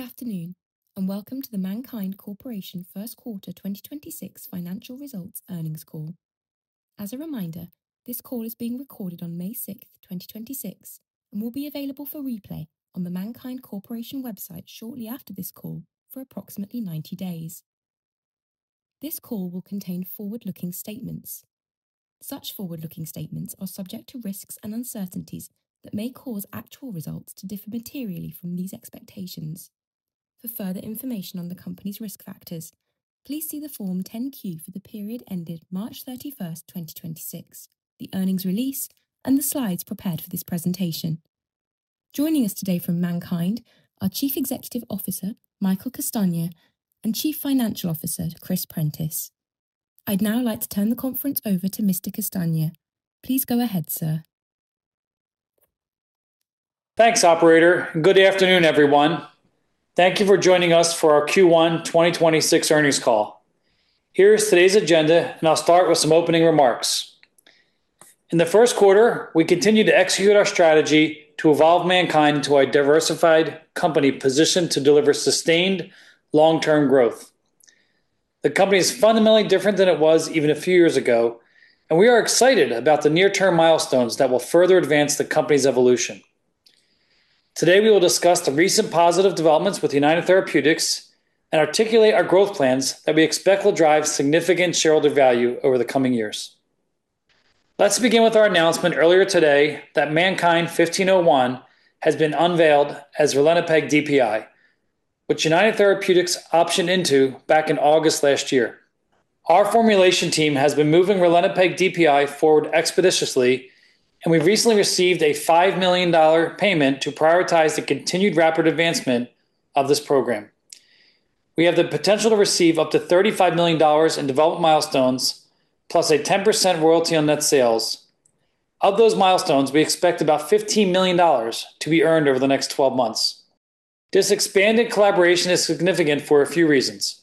Good afternoon and welcome to the MannKind Corporation First Quarter 2026 financial results earnings call. As a reminder, this call is being recorded on May 6th, 2026, and will be available for replay on the MannKind Corporation website shortly after this call for approximately 90 days. This call will contain forward-looking statements. Such forward-looking statements are subject to risks and uncertainties that may cause actual results to differ materially from these expectations. For further information on the company's risk factors, please see the Form 10-Q for the period ended March 31st, 2026, the earnings release, and the slides prepared for this presentation. Joining us today from MannKind are Chief Executive Officer Michael Castagna and Chief Financial Officer Christopher Prentiss. I'd now like to turn the conference over to Mr. Castagna. Please go ahead, sir. Thanks operator. Good afternoon, everyone. Thank you for joining us for our Q1 2026 earnings call. Here's today's agenda. I'll start with some opening remarks. In the first quarter, we continued to execute our strategy to evolve MannKind into a diversified company positioned to deliver sustained long-term growth. The company is fundamentally different than it was even a few years ago. We are excited about the near-term milestones that will further advance the company's evolution. Today, we will discuss the recent positive developments with United Therapeutics and articulate our growth plans that we expect will drive significant shareholder value over the coming years. Let's begin with our announcement earlier today that MannKind 1501 has been unveiled as ralinepag DPI, which United Therapeutics optioned into back in August last year. Our formulation team has been moving ralinepag DPI forward expeditiously, and we recently received a $5 million payment to prioritize the continued rapid advancement of this program. We have the potential to receive up to $35 million in development milestones plus a 10% royalty on net sales. Of those milestones, we expect about $15 million to be earned over the next 12 months. This expanded collaboration is significant for a few reasons.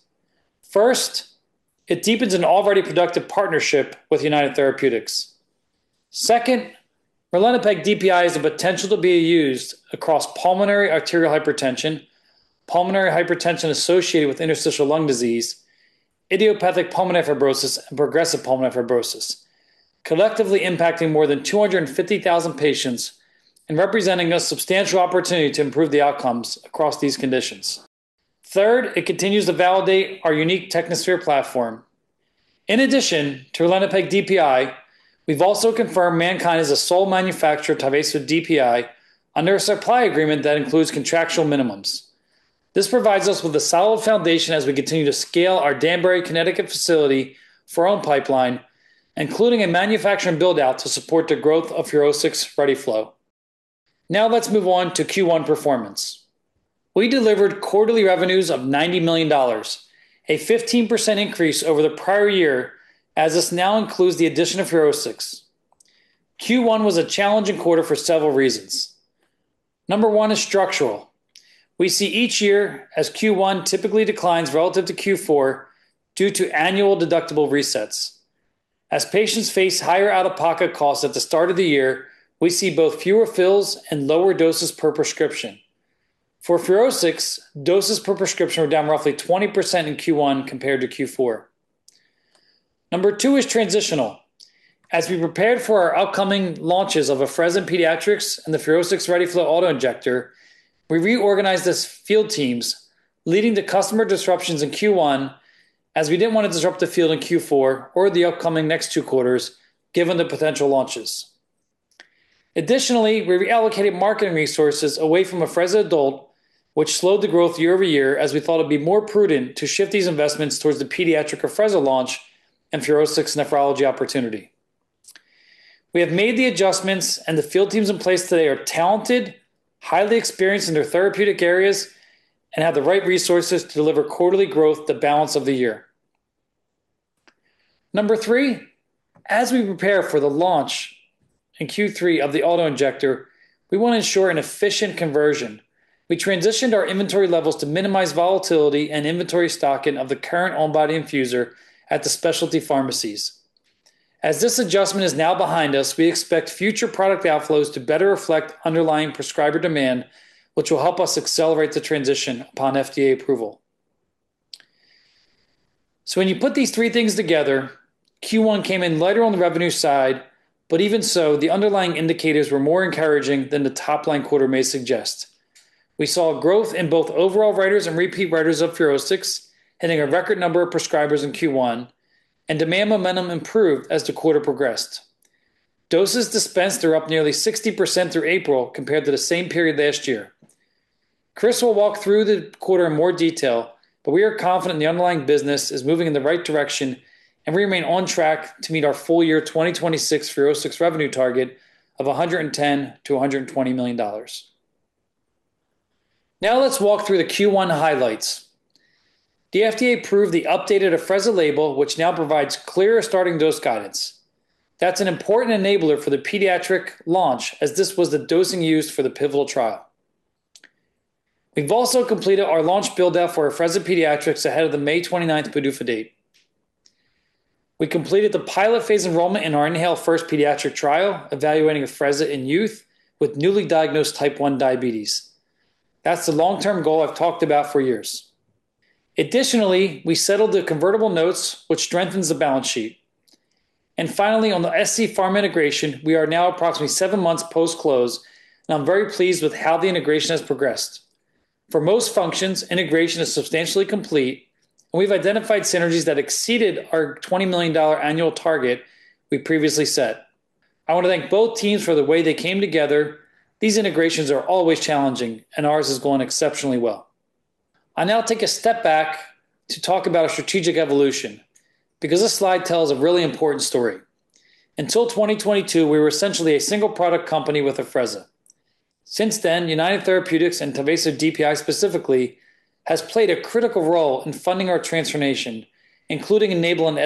First, it deepens an already productive partnership with United Therapeutics. Second, ralinepag DPI has the potential to be used across pulmonary arterial hypertension, pulmonary hypertension associated with interstitial lung disease, idiopathic pulmonary fibrosis, and progressive pulmonary fibrosis, collectively impacting more than 250,000 patients and representing a substantial opportunity to improve the outcomes across these conditions. Third, it continues to validate our unique Technosphere platform. In addition to ralinepag DPI, we've also confirmed MannKind as the sole manufacturer of Tyvaso DPI under a supply agreement that includes contractual minimums. This provides us with a solid foundation as we continue to scale our Danbury, Connecticut facility for our own pipeline, including a manufacturing build-out to support the growth of FUROSCIX ReadyFlow. Let's move on to Q1 performance. We delivered quarterly revenues of $90 million, a 15% increase over the prior year as this now includes the addition of FUROSCIX. Q1 was a challenging quarter for several reasons. Number 1 is structural. We see each year as Q1 typically declines relative to Q4 due to annual deductible resets. As patients face higher out-of-pocket costs at the start of the year, we see both fewer fills and lower doses per prescription. For FUROSCIX, doses per prescription were down roughly 20% in Q1 compared to Q4. Number two is transitional. As we prepared for our upcoming launches of Afrezza Pediatrics and the FUROSCIX ReadyFlow auto-injector, we reorganized its field teams, leading to customer disruptions in Q1 as we didn't want to disrupt the field in Q4 or the upcoming next two quarters given the potential launches. Additionally, we reallocated marketing resources away from Afrezza Adult, which slowed the growth year-over-year as we thought it'd be more prudent to shift these investments towards the pediatric Afrezza launch and FUROSCIX nephrology opportunity. We have made the adjustments, and the field teams in place today are talented, highly experienced in their therapeutic areas, and have the right resources to deliver quarterly growth the balance of the year. Number three, as we prepare for the launch in Q3 of the auto-injector, we want to ensure an efficient conversion. We transitioned our inventory levels to minimize volatility and inventory stocking of the current on-body infuser at the specialty pharmacies. As this adjustment is now behind us, we expect future product outflows to better reflect underlying prescriber demand, which will help us accelerate the transition upon FDA approval. When you put these three things together, Q1 came in lighter on the revenue side, but even so, the underlying indicators were more encouraging than the top-line quarter may suggest. We saw growth in both overall writers and repeat writers of FUROSCIX hitting a record number of prescribers in Q1, and demand momentum improved as the quarter progressed. Doses dispensed are up nearly 60% through April compared to the same period last year. Chris will walk through the quarter in more detail, but we are confident the underlying business is moving in the right direction, and we remain on track to meet our full year 2026 FUROSCIX revenue target of $110 million-$120 million. Now let's walk through the Q1 highlights. The FDA approved the updated Afrezza label, which now provides clearer starting dose guidance. That's an important enabler for the pediatric launch, as this was the dosing used for the pivotal trial. We've also completed our launch build-out for Afrezza Pediatrics ahead of the May 29th PDUFA date. We completed the pilot phase enrollment in our INHALE-1 pediatric trial evaluating Afrezza in youth with newly diagnosed Type 1 diabetes. That's the long-term goal I've talked about for years. Additionally, we settled the convertible notes, which strengthens the balance sheet. Finally, on the scPharma integration, we are now approximately seven months post-close, and I'm very pleased with how the integration has progressed. For most functions, integration is substantially complete, and we've identified synergies that exceeded our $20 million annual target we previously set. I want to thank both teams for the way they came together. These integrations are always challenging, and ours is going exceptionally well. I now take a step back to talk about strategic evolution because this slide tells a really important story. Until 2022, we were essentially a single product company with Afrezza. Since then, United Therapeutics and Tyvaso DPI specifically has played a critical role in funding our transformation, including enabling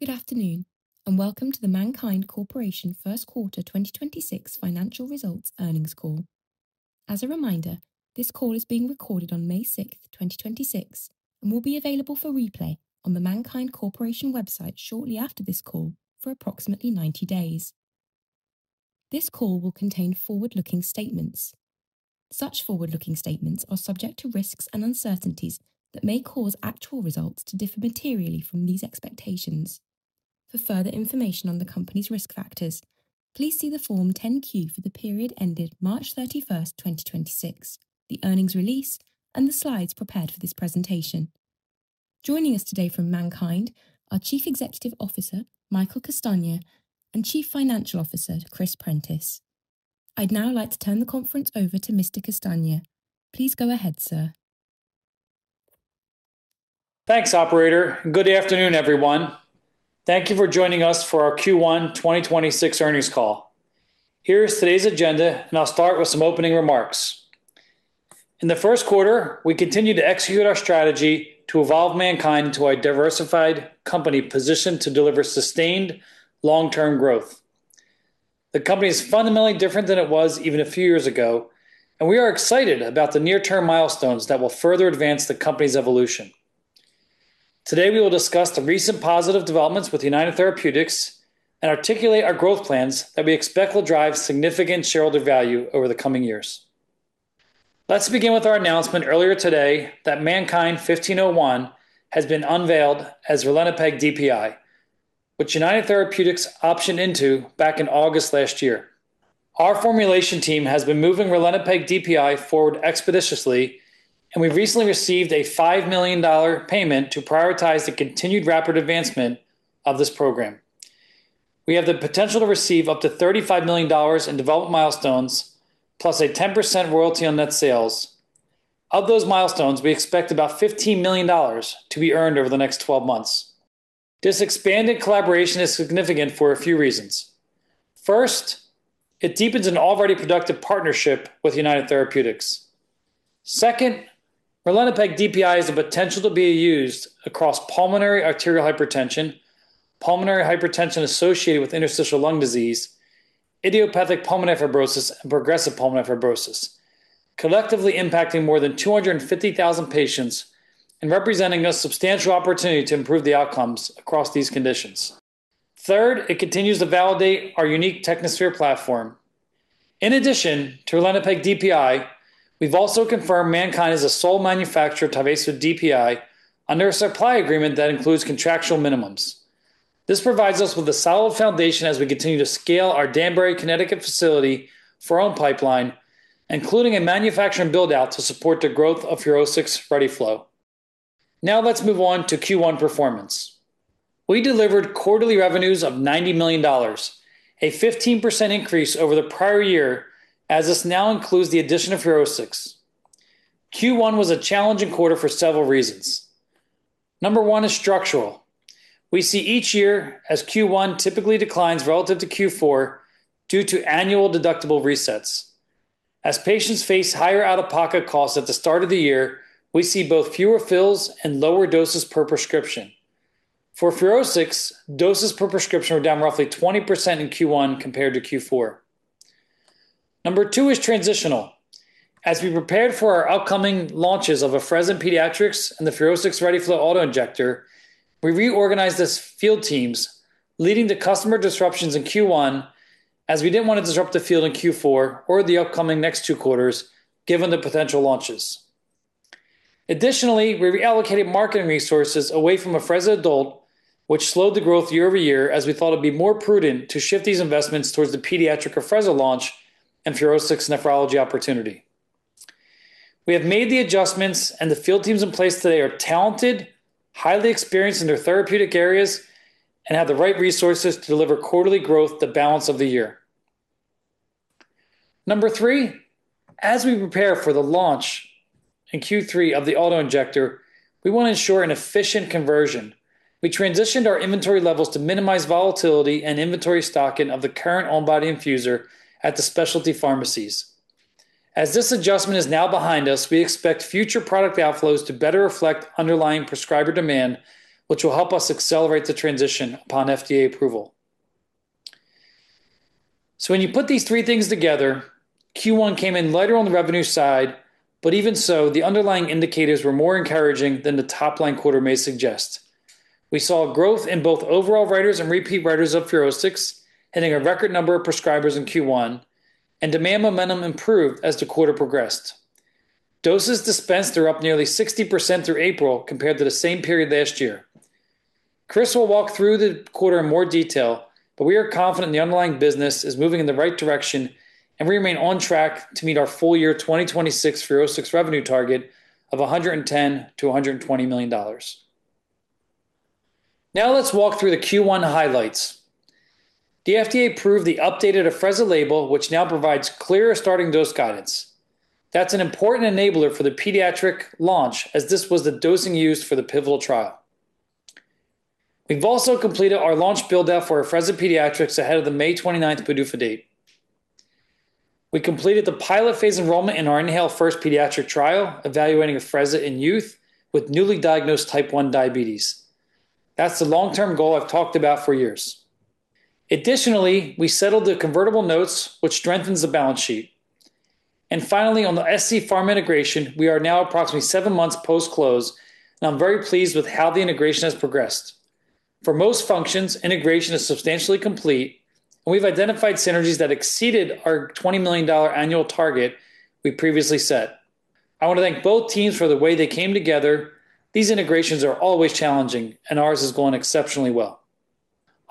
the scPharmaa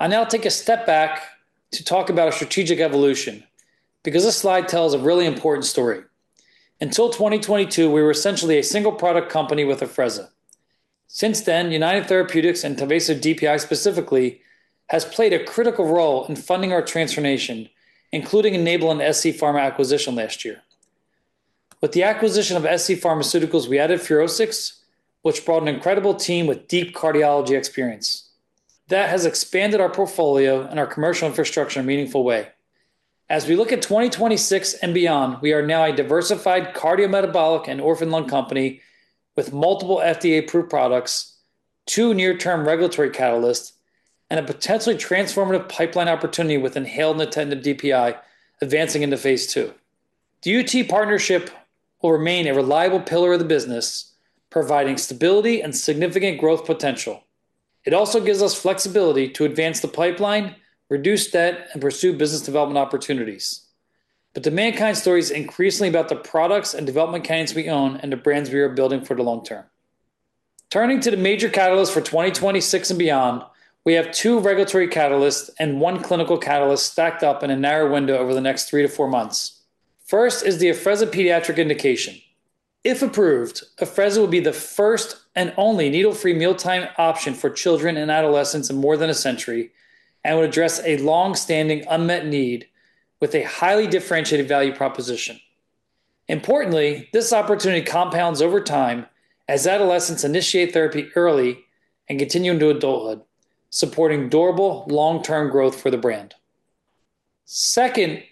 acquisition last year. With the acquisition of scPharmaceuticals, we added FUROSCIX, which brought an incredible team with deep cardiology experience. That has expanded our portfolio and our commercial infrastructure in a meaningful way. As we look at 2026 and beyond, we are now a diversified cardiometabolic and orphan lung company with multiple FDA-approved products, two near-term regulatory catalysts, and a potentially transformative pipeline opportunity with inhaled nintedanib DPI advancing into phase II. The UT partnership will remain a reliable pillar of the business, providing stability and significant growth potential. It also gives us flexibility to advance the pipeline, reduce debt, and pursue business development opportunities. The MannKind story is increasingly about the products and development candidates we own and the brands we are building for the long term. Turning to the major catalyst for 2026 and beyond, we have two regulatory catalysts and one clinical catalyst stacked up in a narrow window over the next 3 months-4 months. First is the Afrezza pediatric indication. If approved, Afrezza will be the first and only needle-free mealtime option for children and adolescents in more than a century and would address a long-standing unmet need with a highly differentiated value proposition. This opportunity compounds over time as adolescents initiate therapy early and continue into adulthood, supporting durable long-term growth for the brand. Second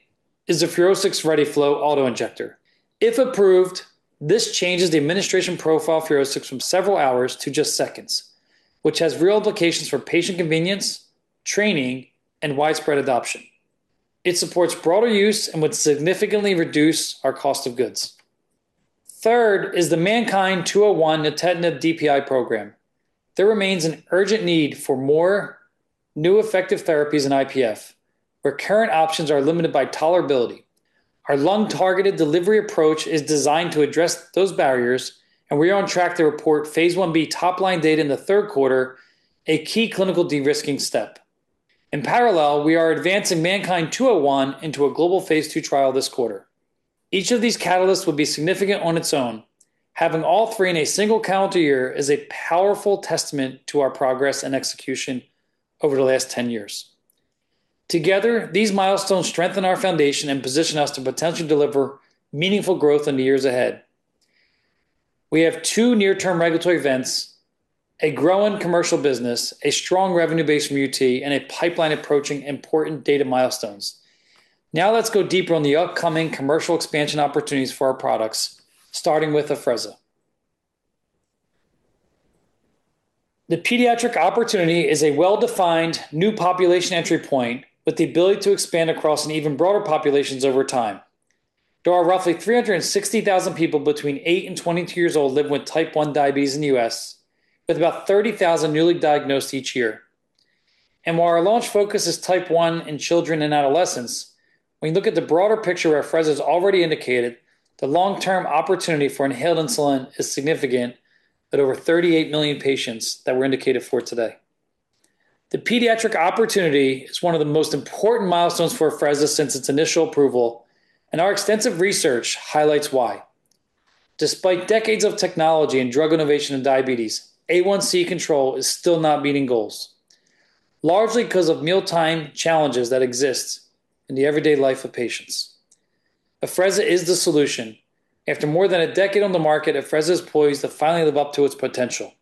is the FUROSCIX ReadyFlow autoinjector. If approved, this changes the administration profile of FUROSCIX from several hours to just seconds, which has real implications for patient convenience, training, and widespread adoption. It supports broader use and would significantly reduce our cost of goods. Third is the MannKind 201 nintedanib DPI program. There remains an urgent need for more new effective therapies in IPF, where current options are limited by tolerability. Our lung-targeted delivery approach is designed to address those barriers, and we are on track to report phase I-B top-line data in the third quarter, a key clinical de-risking step. In parallel, we are advancing MannKind 201 into a global phase II trial this quarter. Each of these catalysts would be significant on its own. Having all three in a single calendar year is a powerful testament to our progress and execution over the last 10 years. Together, these milestones strengthen our foundation and position us to potentially deliver meaningful growth in the years ahead. We have two near-term regulatory events, a growing commercial business, a strong revenue base from UT, and a pipeline approaching important data milestones. Let's go deeper on the upcoming commercial expansion opportunities for our products, starting with Afrezza. The pediatric opportunity is a well-defined new population entry point with the ability to expand across an even broader populations over time. There are roughly 360,000 people between 8 and 22 years old living with Type 1 diabetes in the U.S., with about 30,000 newly diagnosed each year. While our launch focus is Type 1 in children and adolescents, when you look at the broader picture where Afrezza is already indicated, the long-term opportunity for inhaled insulin is significant at over 38 million patients that were indicated for today. The pediatric opportunity is one of the most important milestones for Afrezza since its initial approval, and our extensive research highlights why. Despite decades of technology and drug innovation in diabetes, A1C control is still not meeting goals, largely because of mealtime challenges that exist in the everyday life of patients. Afrezza is the solution. After more than a decade on the market, Afrezza is poised to finally live up to its potential.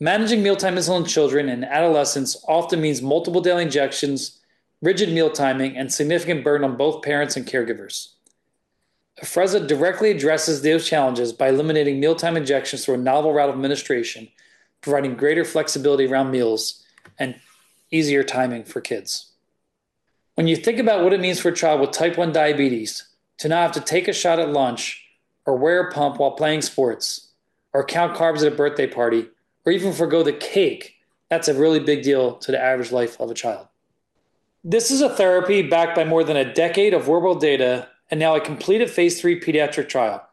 Managing mealtime insulin in children and adolescents often means multiple daily injections, rigid meal timing, and significant burden on both parents and caregivers. Afrezza directly addresses those challenges by eliminating mealtime injections through a novel route of administration, providing greater flexibility around meals and easier timing for kids. When you think about what it means for a child with Type 1 diabetes to not have to take a shot at lunch or wear a pump while playing sports or count carbs at a birthday party or even forgo the cake, that's a really big deal to the average life of a child. This is a therapy backed by more than a decade of real-world data and now a completed phase III pediatric trial.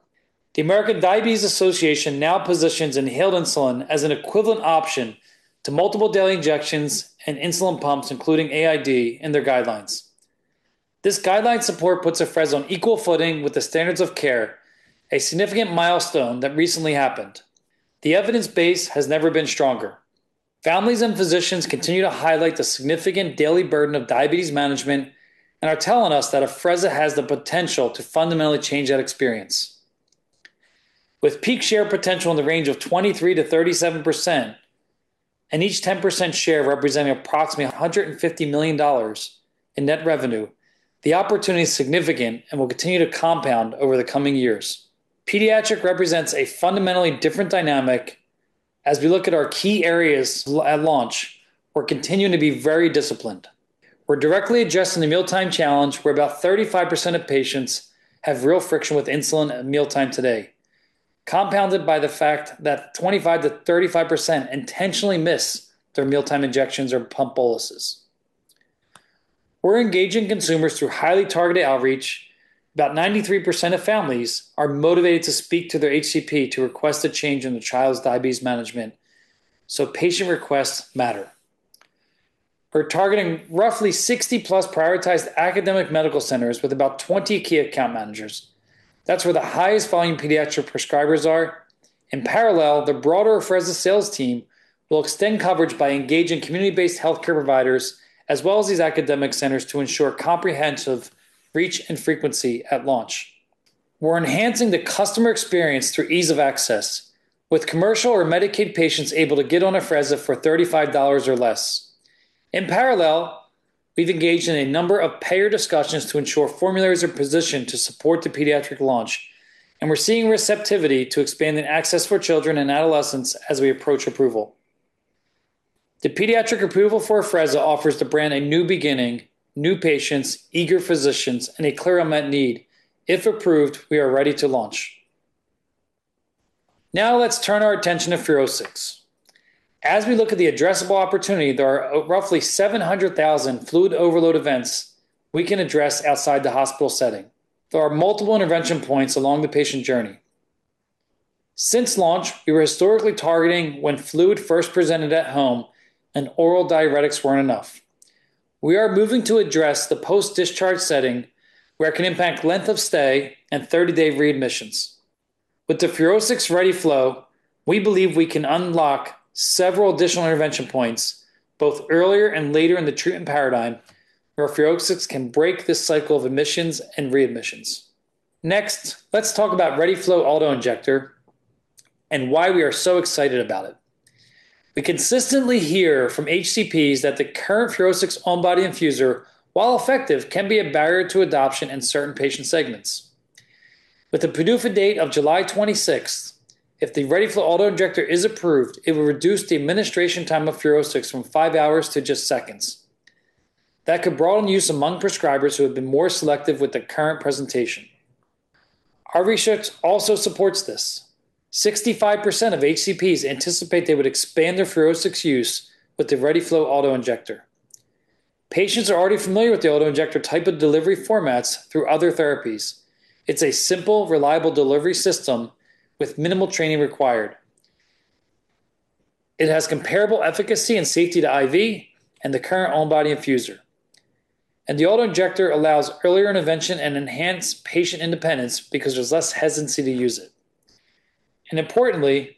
The American Diabetes Association now positions inhaled insulin as an equivalent option to multiple daily injections and insulin pumps, including AID, in their guidelines. This guideline support puts Afrezza on equal footing with the standards of care, a significant milestone that recently happened. The evidence base has never been stronger. Families and physicians continue to highlight the significant daily burden of diabetes management and are telling us that Afrezza has the potential to fundamentally change that experience. With peak share potential in the range of 23%-37% and each 10% share representing approximately $150 million in net revenue, the opportunity is significant and will continue to compound over the coming years. Pediatric represents a fundamentally different dynamic as we look at our key areas at launch. We're continuing to be very disciplined. We're directly addressing the mealtime challenge where about 35% of patients have real friction with insulin at mealtime today, compounded by the fact that 25%-35% intentionally miss their mealtime injections or pump boluses. We're engaging consumers through highly targeted outreach. About 93% of families are motivated to speak to their HCP to request a change in the child's diabetes management. Patient requests matter. We're targeting roughly 60+ prioritized academic medical centers with about 20 key account managers. That's where the highest volume pediatric prescribers are. In parallel, the broader Afrezza sales team will extend coverage by engaging community-based healthcare providers as well as these academic centers to ensure comprehensive reach and frequency at launch. We're enhancing the customer experience through ease of access, with commercial or Medicaid patients able to get on Afrezza for $35 or less. In parallel, we've engaged in a number of payer discussions to ensure formularies are positioned to support the pediatric launch, and we're seeing receptivity to expand the access for children and adolescents as we approach approval. The pediatric approval for Afrezza offers the brand a new beginning, new patients, eager physicians, and a clear unmet need. If approved, we are ready to launch. Now let's turn our attention to FUROSCIX. As we look at the addressable opportunity, there are roughly 700,000 fluid overload events we can address outside the hospital setting. There are multiple intervention points along the patient journey. Since launch, we were historically targeting when fluid first presented at home and oral diuretics weren't enough. We are moving to address the post-discharge setting where it can impact length of stay and 30-day readmissions. With the FUROSCIX ReadyFlow, we believe we can unlock several additional intervention points both earlier and later in the treatment paradigm where FUROSCIX can break this cycle of admissions and readmissions. Next, let's talk about ReadyFlow auto-injector and why we are so excited about it. We consistently hear from HCPs that the current FUROSCIX on-body infuser, while effective, can be a barrier to adoption in certain patient segments. With the PDUFA date of July 26th, if the ReadyFlow auto-injector is approved, it will reduce the administration time of FUROSCIX from 5 hours to just seconds. That could broaden use among prescribers who have been more selective with the current presentation. Our research also supports this. 65% of HCPs anticipate they would expand their FUROSCIX use with the ReadyFlow auto-injector. Patients are already familiar with the auto-injector type of delivery formats through other therapies. It's a simple, reliable delivery system with minimal training required. It has comparable efficacy and safety to IV and the current on-body infuser. The auto-injector allows earlier intervention and enhanced patient independence because there's less hesitancy to use it. Importantly,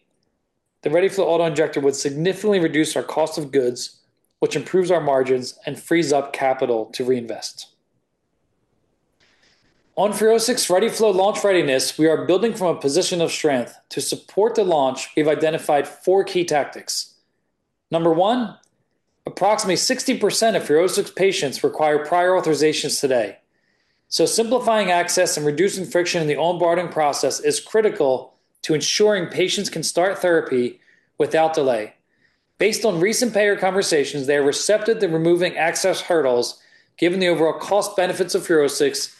the ReadyFlow auto-injector would significantly reduce our cost of goods, which improves our margins and frees up capital to reinvest. On FUROSCIX ReadyFlow launch readiness, we are building from a position of strength. To support the launch, we've identified four key tactics. Number 1, approximately 60% of FUROSCIX patients require prior authorizations today. Simplifying access and reducing friction in the onboarding process is critical to ensuring patients can start therapy without delay. Based on recent payer conversations, they are receptive to removing access hurdles, given the overall cost benefits of FUROSCIX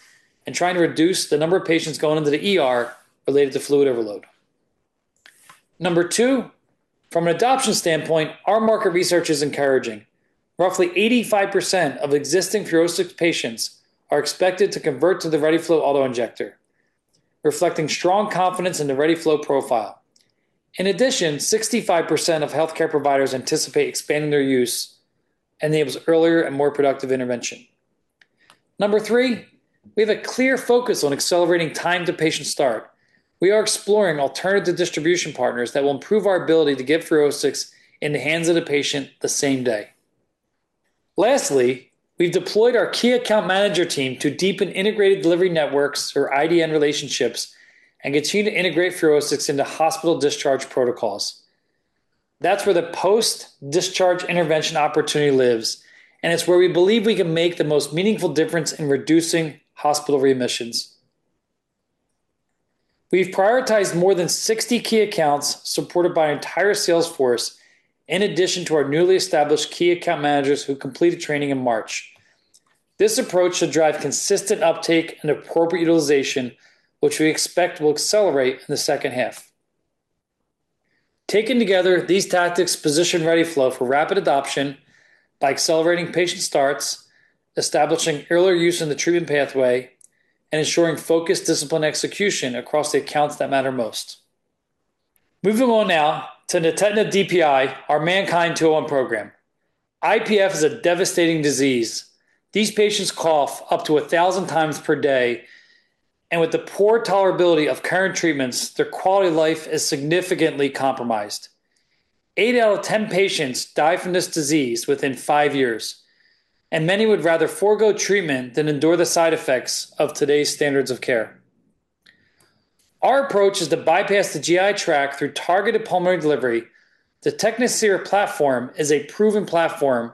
and trying to reduce the number of patients going into the ER related to fluid overload. Number 2, from an adoption standpoint, our market research is encouraging. Roughly 85% of existing FUROSCIX patients are expected to convert to the ReadyFlow auto-injector, reflecting strong confidence in the ReadyFlow profile. 65% of healthcare providers anticipate expanding their use, enables earlier and more productive intervention. Number 3, we have a clear focus on accelerating time to patient start. We are exploring alternative distribution partners that will improve our ability to get FUROSCIX in the hands of the patient the same day. Lastly, we've deployed our key account manager team to deepen integrated delivery networks or IDN relationships and continue to integrate FUROSCIX into hospital discharge protocols. That's where the post-discharge intervention opportunity lives, and it's where we believe we can make the most meaningful difference in reducing hospital readmissions. We've prioritized more than 60 key accounts supported by our entire sales force in addition to our newly established key account managers who completed training in March. This approach should drive consistent uptake and appropriate utilization, which we expect will accelerate in the second half. Taken together, these tactics position ReadyFlow for rapid adoption by accelerating patient starts, establishing earlier use in the treatment pathway, and ensuring focused, disciplined execution across the accounts that matter most. Moving on now to nintedanib DPI, our MNKD-201 program. IPF is a devastating disease. These patients cough up to 1,000 times per day, and with the poor tolerability of current treatments, their quality of life is significantly compromised. 8 out of 10 patients die from this disease within 5 years, and many would rather forgo treatment than endure the side effects of today's standards of care. Our approach is to bypass the GI tract through targeted pulmonary delivery. The Technosphere platform is a proven platform.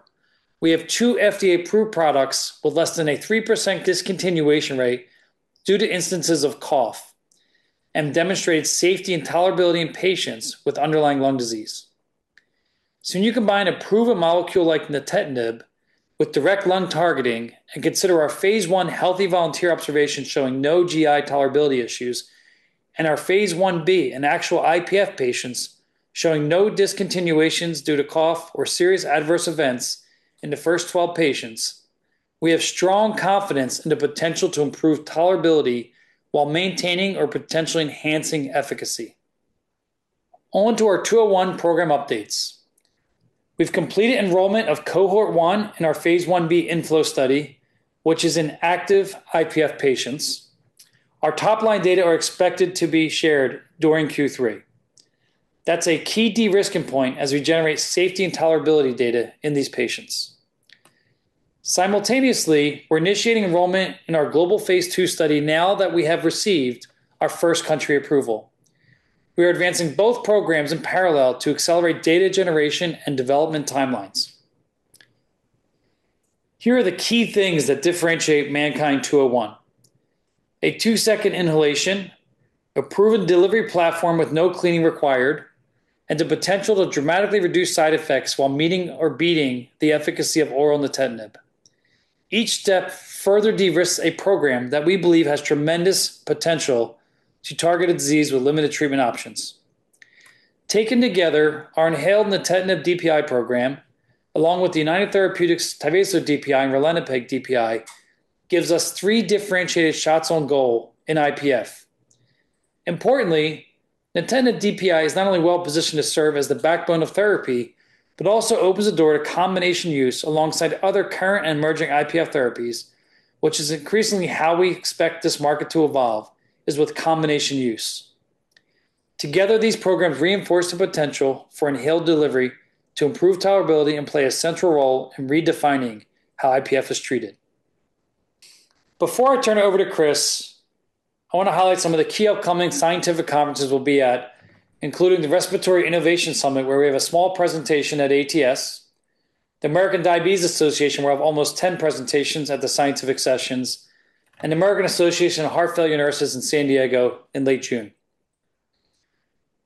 We have two FDA-approved products with less than a 3% discontinuation rate due to instances of cough and demonstrated safety and tolerability in patients with underlying lung disease. When you combine a proven molecule like nintedanib with direct lung targeting and consider our phase I healthy volunteer observation showing no GI tolerability issues and our phase I-B in actual IPF patients showing no discontinuations due to cough or serious adverse events in the first 12 patients, we have strong confidence in the potential to improve tolerability while maintaining or potentially enhancing efficacy. On to our 201 program updates. We've completed enrollment of cohort 1 in our phase I-B InFlow study, which is in active IPF patients. Our top-line data are expected to be shared during Q3. That's a key de-risking point as we generate safety and tolerability data in these patients. Simultaneously, we're initiating enrollment in our global phase II study now that we have received our first country approval. We are advancing both programs in parallel to accelerate data generation and development timelines. Here are the key things that differentiate MannKind 201. A 2-second inhalation, a proven delivery platform with no cleaning required, and the potential to dramatically reduce side effects while meeting or beating the efficacy of oral nintedanib. Each step further de-risks a program that we believe has tremendous potential to target a disease with limited treatment options. Taken together, our inhaled nintedanib DPI program, along with the United Therapeutics Tyvaso DPI and ralinepag DPI, gives us three differentiated shots on goal in IPF. Importantly, nintedanib DPI is not only well-positioned to serve as the backbone of therapy, but also opens the door to combination use alongside other current and emerging IPF therapies, which is increasingly how we expect this market to evolve, is with combination use. Together, these programs reinforce the potential for inhaled delivery to improve tolerability and play a central role in redefining how IPF is treated. Before I turn it over to Chris, I want to highlight some of the key upcoming scientific conferences we'll be at, including the Respiratory Innovation Summit, where we have a small presentation at ATS, the American Diabetes Association, where I have almost 10 presentations at the scientific sessions, and the American Association of Heart Failure Nurses in San Diego in late June.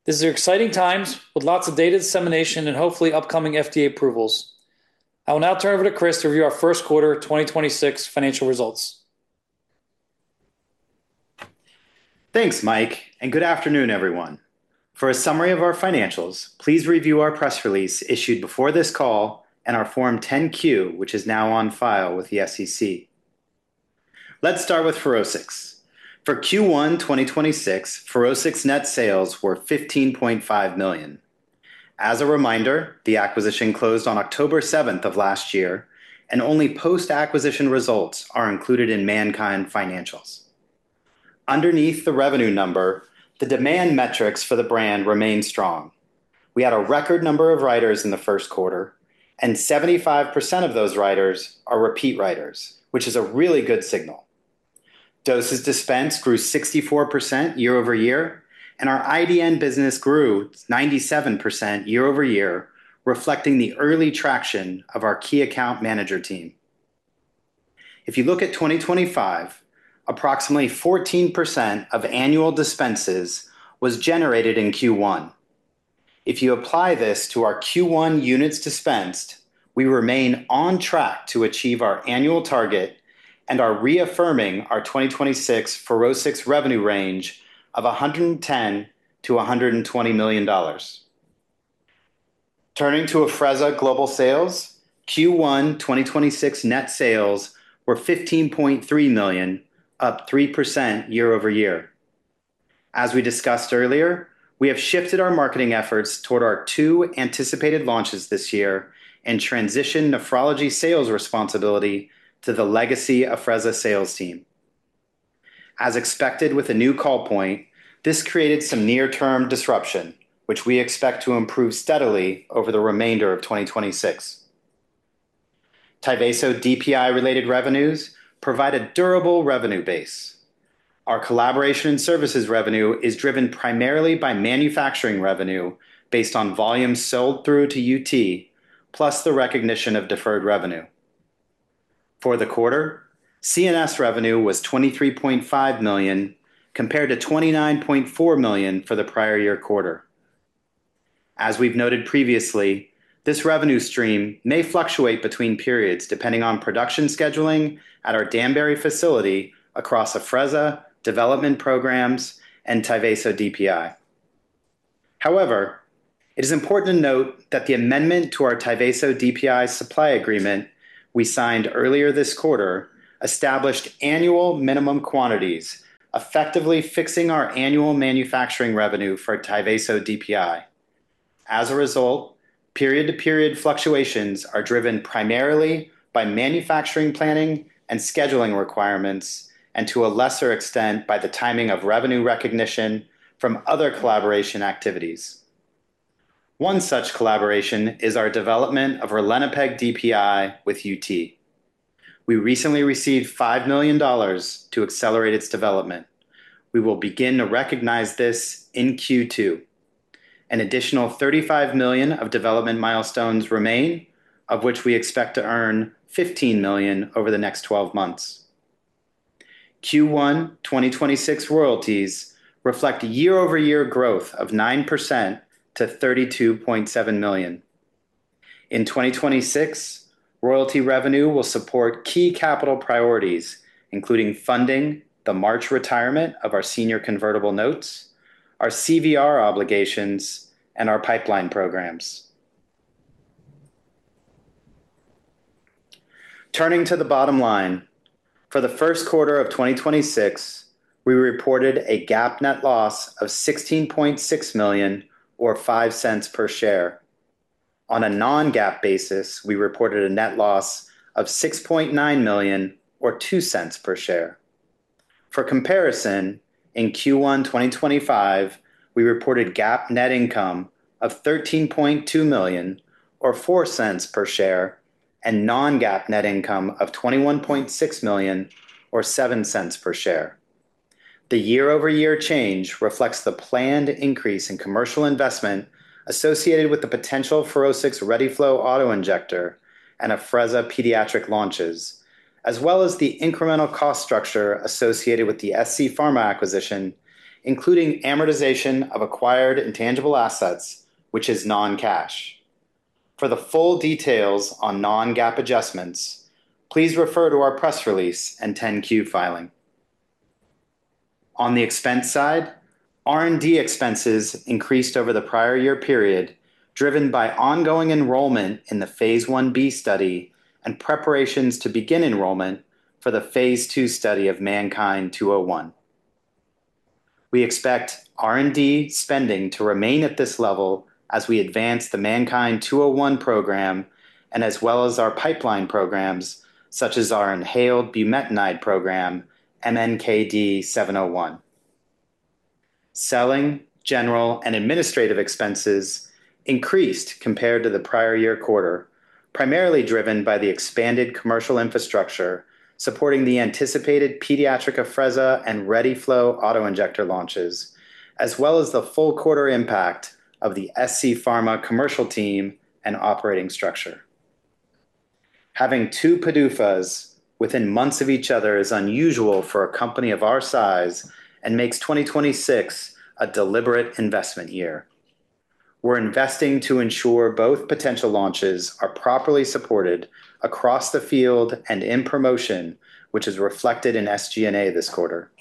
These are exciting times with lots of data dissemination and hopefully upcoming FDA approvals. I will now turn it over to Chris to review our first quarter 2026 financial results. Thanks, Mike. Good afternoon, everyone. For a summary of our financials, please review our press release issued before this call and our Form 10-Q, which is now on file with the SEC. Let's start with FUROSCIX. For Q1 2026, FUROSCIX net sales were $15.5 million. As a reminder, the acquisition closed on October 7th of last year, and only post-acquisition results are included in MannKind financials. Underneath the revenue number, the demand metrics for the brand remain strong. We had a record number of writers in the first quarter, and 75% of those writers are repeat writers, which is a really good signal. Doses dispensed grew 64% year-over-year, and our IDN business grew 97% year-over-year, reflecting the early traction of our key account manager team. If you look at 2025, approximately 14% of annual dispenses was generated in Q1. If you apply this to our Q1 units dispensed, we remain on track to achieve our annual target and are reaffirming our 2026 FUROSCIX revenue range of $110 million-$120 million. Turning to Afrezza global sales, Q1 2026 net sales were $15.3 million, up 3% year-over-year. As we discussed earlier, we have shifted our marketing efforts toward our two anticipated launches this year and transitioned nephrology sales responsibility to the legacy Afrezza sales team. As expected with a new call point, this created some near-term disruption, which we expect to improve steadily over the remainder of 2026. Tyvaso DPI-related revenues provide a durable revenue base. Our collaboration and services revenue is driven primarily by manufacturing revenue based on volumes sold through to UT, plus the recognition of deferred revenue. For the quarter, C&S revenue was $23.5 million compared to $29.4 million for the prior year quarter. As we've noted previously, this revenue stream may fluctuate between periods depending on production scheduling at our Danbury facility across Afrezza, development programs, and Tyvaso DPI. It is important to note that the amendment to our Tyvaso DPI supply agreement we signed earlier this quarter established annual minimum quantities, effectively fixing our annual manufacturing revenue for Tyvaso DPI. As a result, period-to-period fluctuations are driven primarily by manufacturing planning and scheduling requirements, and to a lesser extent by the timing of revenue recognition from other collaboration activities. One such collaboration is our development of ralinepag DPI with UT. We recently received $5 million to accelerate its development. We will begin to recognize this in Q2. An additional $35 million of development milestones remain, of which we expect to earn $15 million over the next 12 months. Q1 2026 royalties reflect a year-over-year growth of 9% to $32.7 million. In 2026, royalty revenue will support key capital priorities, including funding the March retirement of our senior convertible notes, our CVR obligations, and our pipeline programs. Turning to the bottom line, for the first quarter of 2026, we reported a GAAP net loss of $16.6 million or $0.05 per share. On a Non-GAAP basis, we reported a net loss of $6.9 million or $0.02 per share. For comparison, in Q1 2025, we reported GAAP net income of $13.2 million or $0.04 per share and Non-GAAP net income of $21.6 million or $0.07 per share. The year-over-year change reflects the planned increase in commercial investment associated with the potential FUROSCIX ReadyFlow auto-injector and Afrezza Pediatrics launches, as well as the incremental cost structure associated with the scPharmaceuticals acquisition, including amortization of acquired intangible assets, which is non-cash. For the full details on Non-GAAP adjustments, please refer to our press release and 10-Q filing. On the expense side, R&D expenses increased over the prior year period, driven by ongoing enrollment in the phase I-B study and preparations to begin enrollment for the phase II study of MNKD-201. We expect R&D spending to remain at this level as we advance the MNKD-201 program and as well as our pipeline programs, such as our inhaled bumetanide program, MNKD-701. Selling, general, and administrative expenses increased compared to the prior year quarter, primarily driven by the expanded commercial infrastructure supporting the anticipated pediatric Afrezza and ReadyFlow auto-injector launches, as well as the full quarter impact of the scPharma commercial team and operating structure. Having two PDUFAs within months of each other is unusual for a company of our size and makes 2026 a deliberate investment year. We're investing to ensure both potential launches are properly supported across the field and in promotion, which is reflected in SG&A this quarter.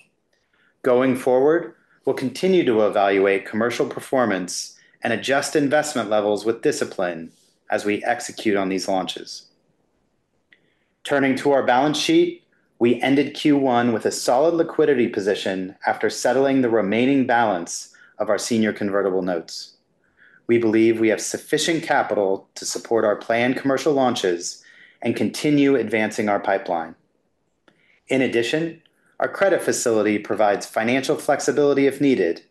Going forward, we'll continue to evaluate commercial performance and adjust investment levels with discipline as we execute on these launches. Turning to our balance sheet, we ended Q1 with a solid liquidity position after settling the remaining balance of our senior convertible notes. We believe we have sufficient capital to support our planned commercial launches and continue advancing our pipeline. In addition, our credit facility provides financial flexibility if needed,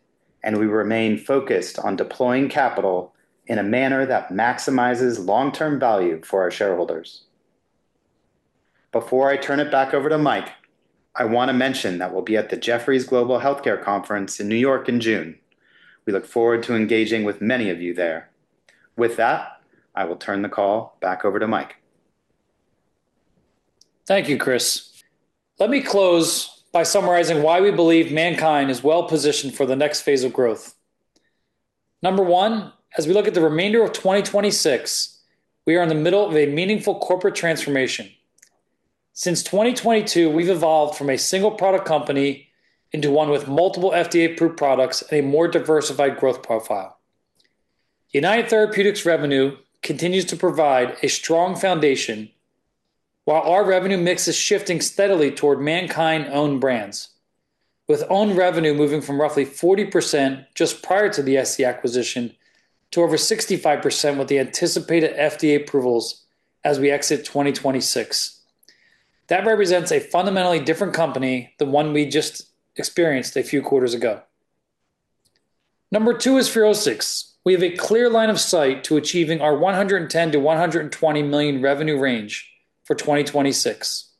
and we remain focused on deploying capital in a manner that maximizes long-term value for our shareholders. Before I turn it back over to Mike, I want to mention that we'll be at the Jefferies Global Healthcare Conference in New York in June. We look forward to engaging with many of you there. With that, I will turn the call back over to Mike. Thank you, Chris. Let me close by summarizing why we believe MannKind is well-positioned for the next phase of growth. Number one, as we look at the remainder of 2026, we are in the middle of a meaningful corporate transformation. Since 2022, we've evolved from a single product company into one with multiple FDA-approved products and a more diversified growth profile. United Therapeutics revenue continues to provide a strong foundation while our revenue mix is shifting steadily toward MannKind owned brands, with owned revenue moving from roughly 40% just prior to the SC acquisition to over 65% with the anticipated FDA approvals as we exit 2026. That represents a fundamentally different company than one we just experienced a few quarters ago. Number two is FUROSCIX. We have a clear line of sight to achieving our $110 million-$120 million revenue range for 2026.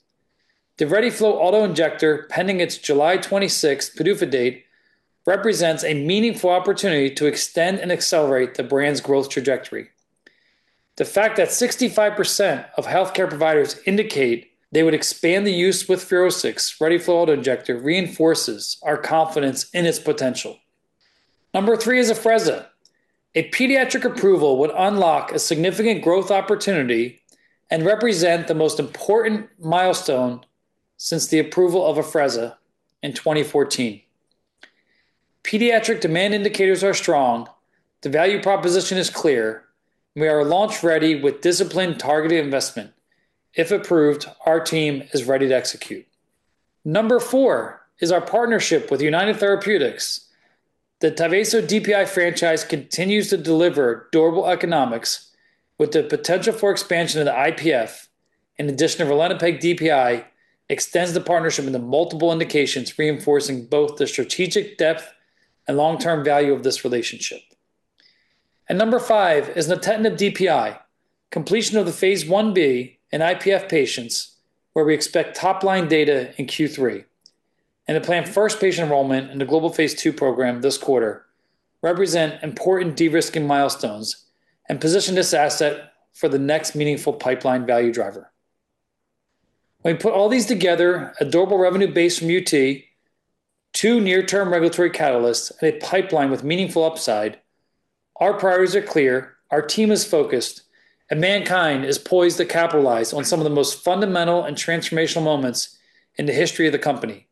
The ReadyFlow auto-injector, pending its July 26 PDUFA date, represents a meaningful opportunity to extend and accelerate the brand's growth trajectory. The fact that 65% of healthcare providers indicate they would expand the use with FUROSCIX ReadyFlow auto-injector reinforces our confidence in its potential. Number 3 is Afrezza. A pediatric approval would unlock a significant growth opportunity and represent the most important milestone since the approval of Afrezza in 2014. Pediatric demand indicators are strong, the value proposition is clear, and we are launch-ready with disciplined targeted investment. If approved, our team is ready to execute. Number 4 is our partnership with United Therapeutics. The Tyvaso DPI franchise continues to deliver durable economics with the potential for expansion of the IPF. An addition of ralinepag DPI extends the partnership into multiple indications, reinforcing both the strategic depth and long-term value of this relationship. Number 5 is nintedanib DPI. Completion of the Phase I-B in IPF patients, where we expect top-line data in Q3, and the planned first patient enrollment in the global Phase II program this quarter represent important de-risking milestones and position this asset for the next meaningful pipeline value driver. When we put all these together, a durable revenue base from UT, two near-term regulatory catalysts, and a pipeline with meaningful upside, our priorities are clear, our team is focused, and MannKind is poised to capitalize on some of the most fundamental and transformational moments in the history of the company.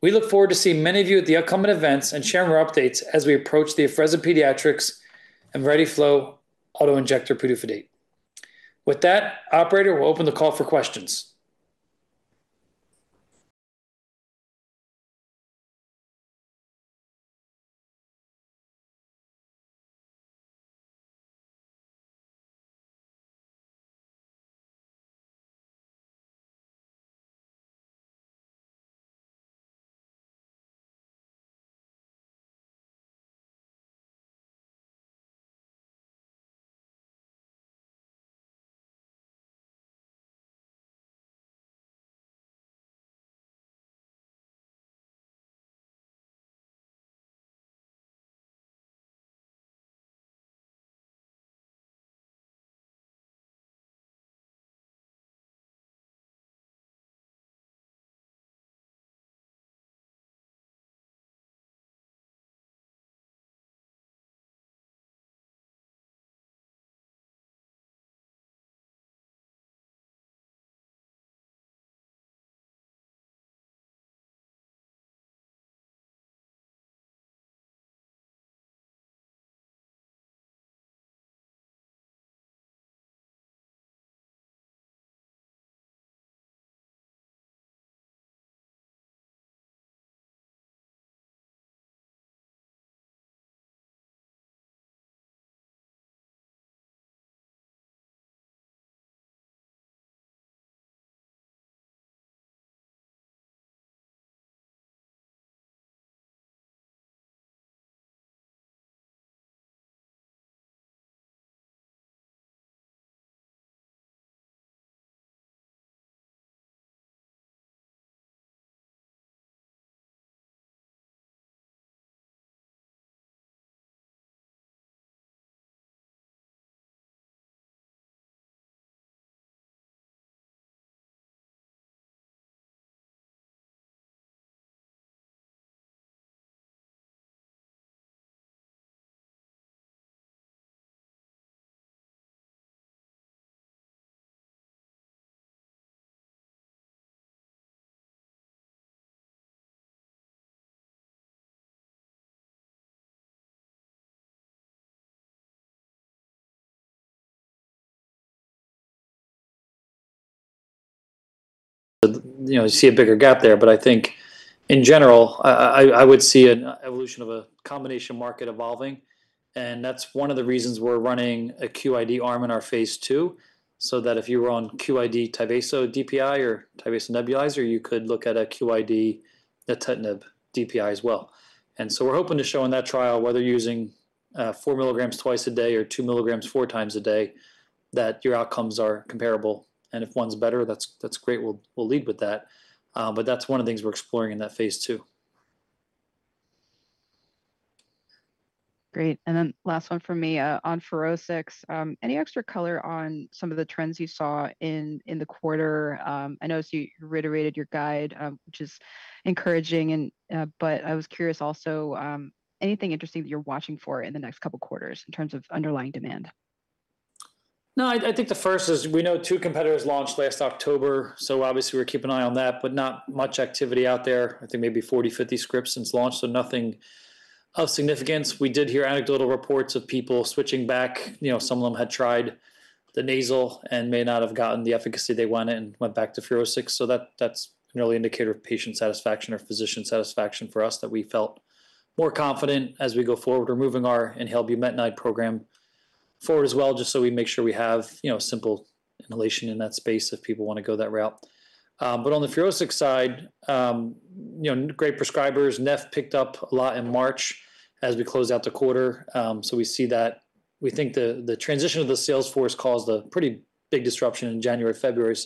We look forward to seeing many of you at the upcoming events and share more updates as we approach the Afrezza Pediatrics and ReadyFlow auto-injector PDUFA date. With that, operator, we'll open the call for questions. You know, see a bigger gap there. I think in general, I would see an evolution of a combination market evolving, and that's one of the reasons we're running a QID arm in our phase II, so that if you were on QID Tyvaso DPI or Tyvaso nebulizer, you could look at a QID, nintedanib DPI as well. We're hoping to show in that trial whether using 4mg twice a day or 2mg four times a day, that your outcomes are comparable. If one's better, that's great. We'll lead with that. That's one of the things we're exploring in that phase II. Great. Last one from me on FUROSCIX. Any extra color on some of the trends you saw in the quarter? I noticed you reiterated your guide, which is encouraging. I was curious also, anything interesting that you're watching for in the next couple quarters in terms of underlying demand? I think the first is we know two competitors launched last October. Obviously, we're keeping an eye on that, not much activity out there. I think maybe 40, 50 scripts since launch. Nothing of significance. We did hear anecdotal reports of people switching back. You know, some of them had tried the nasal and may not have gotten the efficacy they wanted and went back to FUROSCIX. That's an early indicator of patient satisfaction or physician satisfaction for us that we felt more confident as we go forward. We're moving our inhaled bumetanide program forward as well, just so we make sure we have, you know, simple inhalation in that space if people wanna go that route. On the FUROSCIX side, you know, great prescribers. neph picked up a lot in March as we closed out the quarter. We see that. We think the transition of the sales force caused a pretty big disruption in January, February.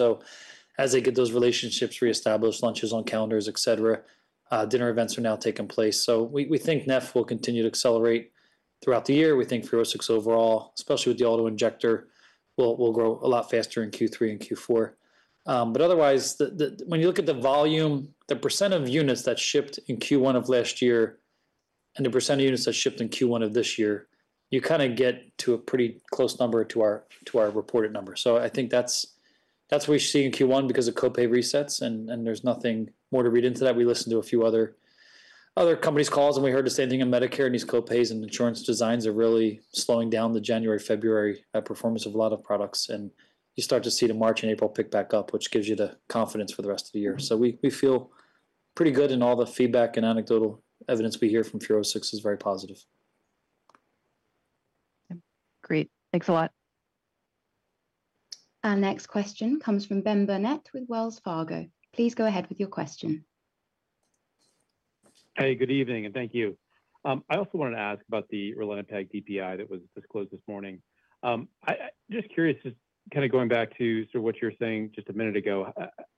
As they get those relationships reestablished, lunches on calendars, et cetera, dinner events are now taking place. We think neph will continue to accelerate throughout the year. We think FUROSCIX overall, especially with the auto-injector, will grow a lot faster in Q3 and Q4. Otherwise the When you look at the volume, the % of units that shipped in Q1 of last year and the % of units that shipped in Q1 of this year, you kinda get to a pretty close number to our reported number. I think that's what we see in Q1 because of co-pay resets and there's nothing more to read into that. We listened to a few other companies' calls. We heard the same thing in Medicare. These co-pays and insurance designs are really slowing down the January, February performance of a lot of products. You start to see the March and April pick back up, which gives you the confidence for the rest of the year. We feel pretty good in all the feedback, and anecdotal evidence we hear from FUROSCIX is very positive. Great. Thanks a lot. Our next question comes from Benjamin Burnett with Wells Fargo. Please go ahead with your question. Hey, good evening, and thank you. I also wanted to ask about the ralinepag DPI that was disclosed this morning. I just curious, just kinda going back to sort of what you were saying just a minute ago,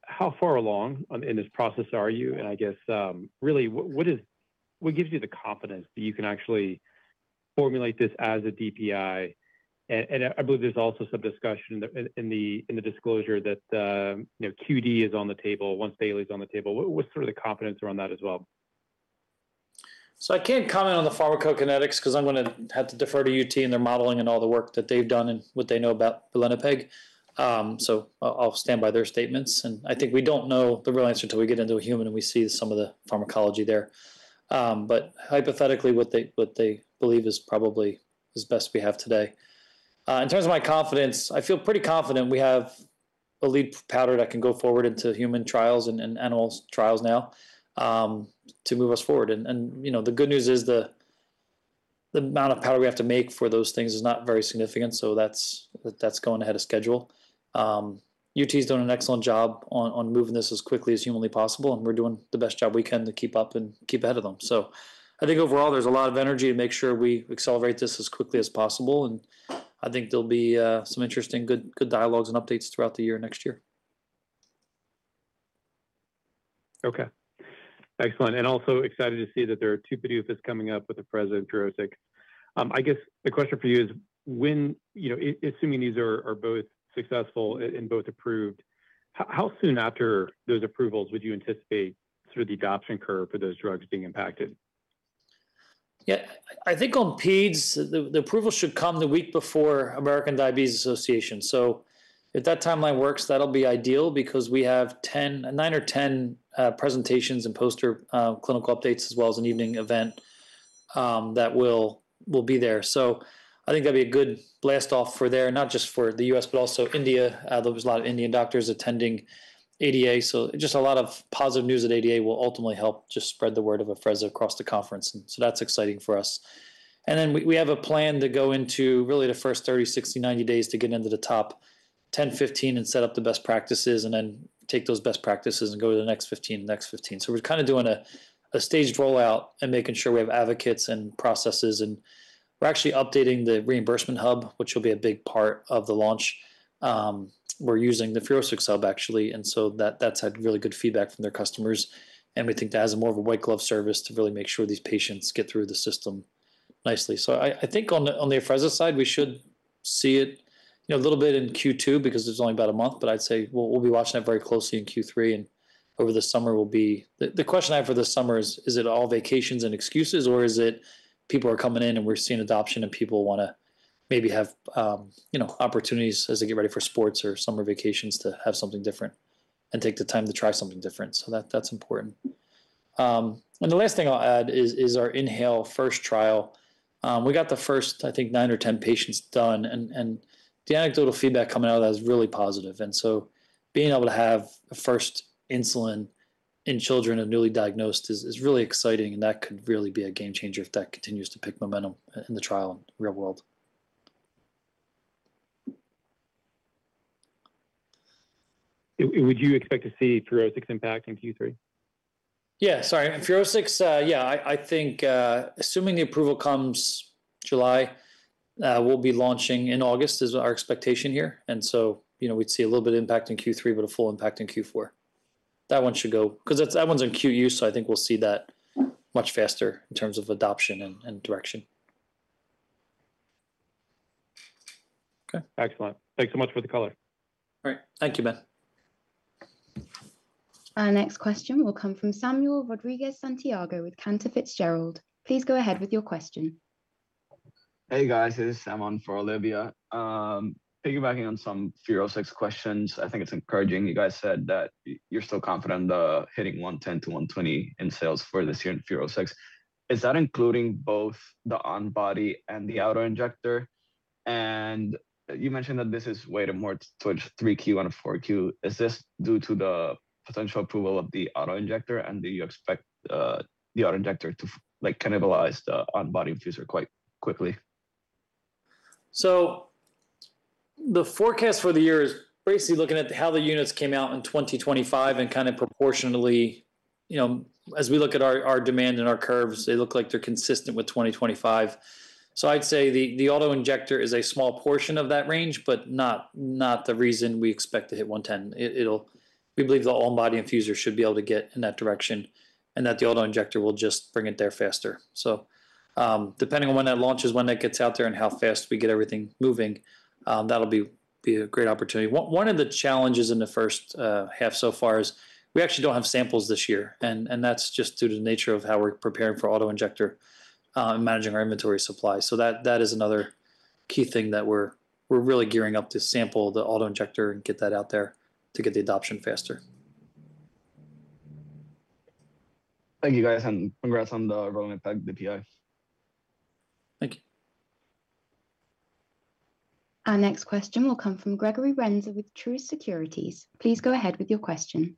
how far along in this process are you? I guess, really, what gives you the confidence that you can actually formulate this as a DPI? I believe there's also some discussion in the disclosure that, you know, QD is on the table, once-daily is on the table. What's sort of the confidence around that as well? I can't comment on the pharmacokinetics cause I'm gonna have to defer to UT and their modeling and all the work that they've done and what they know about the ralinepag. I'll stand by their statements, and I think we don't know the real answer till we get into a human and we see some of the pharmacology there. Hypothetically what they, what they believe is probably is best we have today. In terms of my confidence, I feel pretty confident we have a lead powder that can go forward into human trials and animals trials now, to move us forward. You know, the good news is the amount of power we have to make for those things is not very significant, that's going ahead of schedule. UT's doing an excellent job on moving this as quickly as humanly possible, and we're doing the best job we can to keep up and keep ahead of them. I think overall there's a lot of energy to make sure we accelerate this as quickly as possible, and I think there'll be some interesting, good dialogues and updates throughout the year next year. Okay. Excellent. Also excited to see that there are two PDUFAs coming up with Afrezza and FUROSCIX. I guess the question for you is when you know, assuming these are both successful and both approved, how soon after those approvals would you anticipate sort of the adoption curve for those drugs being impacted? I think on peds, the approval should come the week before American Diabetes Association. If that timeline works, that'll be ideal because we have 10, 9 or 10 presentations and poster clinical updates as well as an evening event that will be there. I think that'd be a good blast off for there, not just for the U.S. but also India. There was a lot of Indian doctors attending ADA, just a lot of positive news at ADA will ultimately help just spread the word of Afrezza across the conference, that's exciting for us. We have a plan to go into really the first 30, 60, 90 days to get into the top 10, 15 and set up the best practices, take those best practices and go to the next 15, the next 15. We're kind of doing a staged rollout and making sure we have advocates and processes and we're actually updating the reimbursement hub, which will be a big part of the launch. We're using the FUROSCIX hub actually, and that's had really good feedback from their customers, and we think that as a more of a white glove service to really make sure these patients get through the system nicely. I think on the Afrezza side, we should see it, you know, a little bit in Q2 because there's only about one month. I'd say we'll be watching that very closely in Q3 and over the summer will be. The question I have for the summer is it all vacations and excuses, or is it people are coming in and we're seeing adoption and people wanna maybe have, you know, opportunities as they get ready for sports or summer vacations to have something different and take the time to try something different. That's important. The last thing I'll add is our INHALE-1 trial. We got the first I think 9 or 10 patients done and the anecdotal feedback coming out of that is really positive. Being able to have a first insulin in children and newly diagnosed is really exciting and that could really be a game changer if that continues to pick momentum in the trial in real world. Would you expect to see FUROSCIX impact in Q3? Yeah, sorry. FUROSCIX, yeah, I think, assuming the approval comes July, we'll be launching in August is our expectation here. You know, we'd see a little bit of impact in Q3, but a full impact in Q4. That one should go 'Cause it's, that one's in acute use, so I think we'll see that much faster in terms of adoption and direction. Okay. Excellent. Thanks so much for the color. All right. Thank you, Ben. Our next question will come from Prakash Patel with Cantor Fitzgerald. Please go ahead with your question. Hey, guys. This is Sam on for Olivia. Piggybacking on some FUROSCIX questions, I think it's encouraging you guys said that you're still confident, hitting $110-$120 in sales for this year in FUROSCIX. Is that including both the on-body and the auto-injector? You mentioned that this is weighted more towards 3Q and 4Q. Is this due to the potential approval of the auto-injector, and do you expect the auto-injector to like cannibalize the on-body infuser quite quickly? The forecast for the year is basically looking at how the units came out in 2025 and kind of proportionately, you know, as we look at our demand and our curves, they look like they're consistent with 2025. I'd say the auto-injector is a small portion of that range, but not the reason we expect to hit 110. We believe the on-body infuser should be able to get in that direction, and that the auto-injector will just bring it there faster. Depending on when that launch is, when that gets out there, and how fast we get everything moving, that'll be a great opportunity. One of the challenges in the first half so far is we actually don't have samples this year, and that's just due to the nature of how we're preparing for auto-injector and managing our inventory supply. That is another key thing that we're really gearing up to sample the auto-injector and get that out there to get the adoption faster. Thank you, guys, and congrats on the ralinepag DPI. Thank you. Our next question will come from Gregory Renza with Truist Securities. Please go ahead with your question.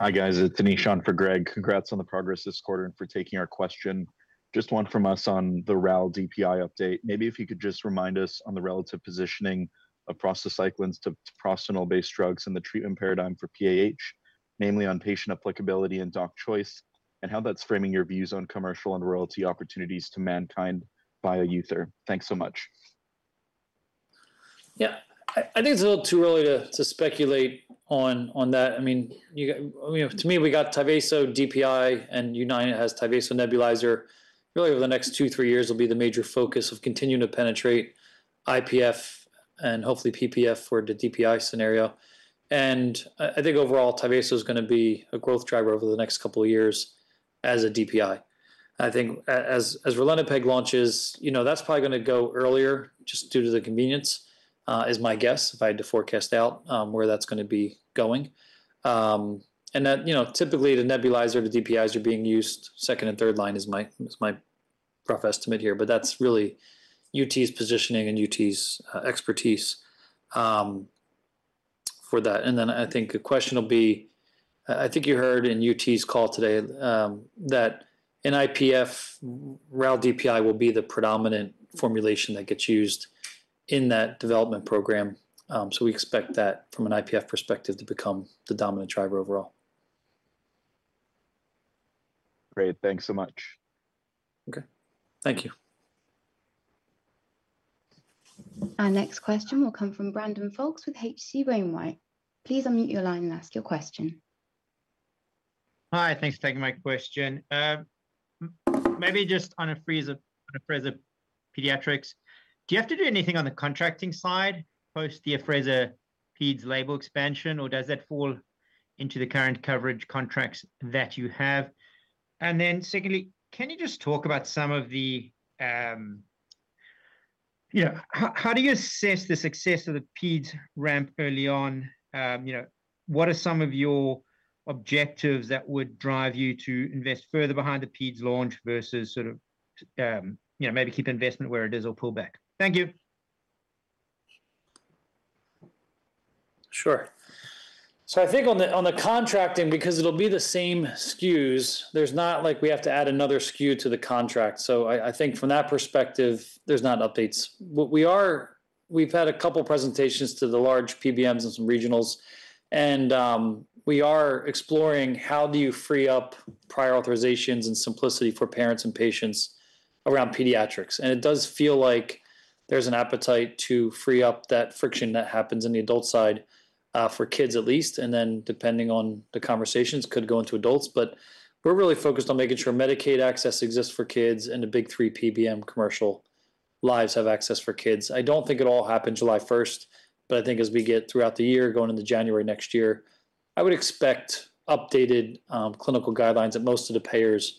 Hi, guys. It's Anish on for Greg. Congrats on the progress this quarter and for taking our question. One from us on the RAL DPI update. Maybe if you could just remind us on the relative positioning of prostacyclins to prostanoid-based drugs and the treatment paradigm for PAH, namely on patient applicability and doc choice, and how that's framing your views on commercial and royalty opportunities to MannKind. Thanks so much. Yeah. I think it's a little too early to speculate on that. I mean, you know, to me, we got Tyvaso DPI and United has Tyvaso nebulizer. Really over the next two, three years will be the major focus of continuing to penetrate IPF and hopefully PPF for the DPI scenario. I think overall Tyvaso is going to be a growth driver over the next couple of years as a DPI. I think as ralinepag launches, you know, that's probably gonna go earlier just due to the convenience, is my guess if I had to forecast out where that's gonna be going. That, you know, typically the nebulizer, the DPIs are being used second and third line is my rough estimate here. That's really UT's positioning and UT's expertise for that. I think the question will be I think you heard in UT's call today that in IPF ralinepag DPI will be the predominant formulation that gets used in that development program. We expect that from an IPF perspective to become the dominant driver overall. Great. Thanks so much. Okay. Thank you. Our next question will come from Brandon Folkes with H.C. Wainwright. Please unmute your line and ask your question. Hi, thanks for taking my question. Maybe just on Afrezza, on Afrezza Pediatrics, do you have to do anything on the contracting side post the Afrezza peds label expansion, or does that fall into the current coverage contracts that you have? Secondly, can you just talk about some of the, you know, how do you assess the success of the peds ramp early on? You know, what are some of your objectives that would drive you to invest further behind the peds launch versus sort of, you know, maybe keep investment where it is or pull back? Thank you. Sure. I think on the contracting, because it'll be the same SKUs, there's not like we have to add another SKU to the contract. I think from that perspective, there's not updates. We've had a couple presentations to the large PBMs and some regionals, and we are exploring how do you free up prior authorizations and simplicity for parents and patients around pediatrics. It does feel like there's an appetite to free up that friction that happens in the adult side for kids at least, and then depending on the conversations could go into adults. We're really focused on making sure Medicaid access exists for kids and the big 3 PBM commercial lives have access for kids. I don't think it all happened July 1st, but I think as we get throughout the year going into January next year, I would expect updated clinical guidelines at most of the payers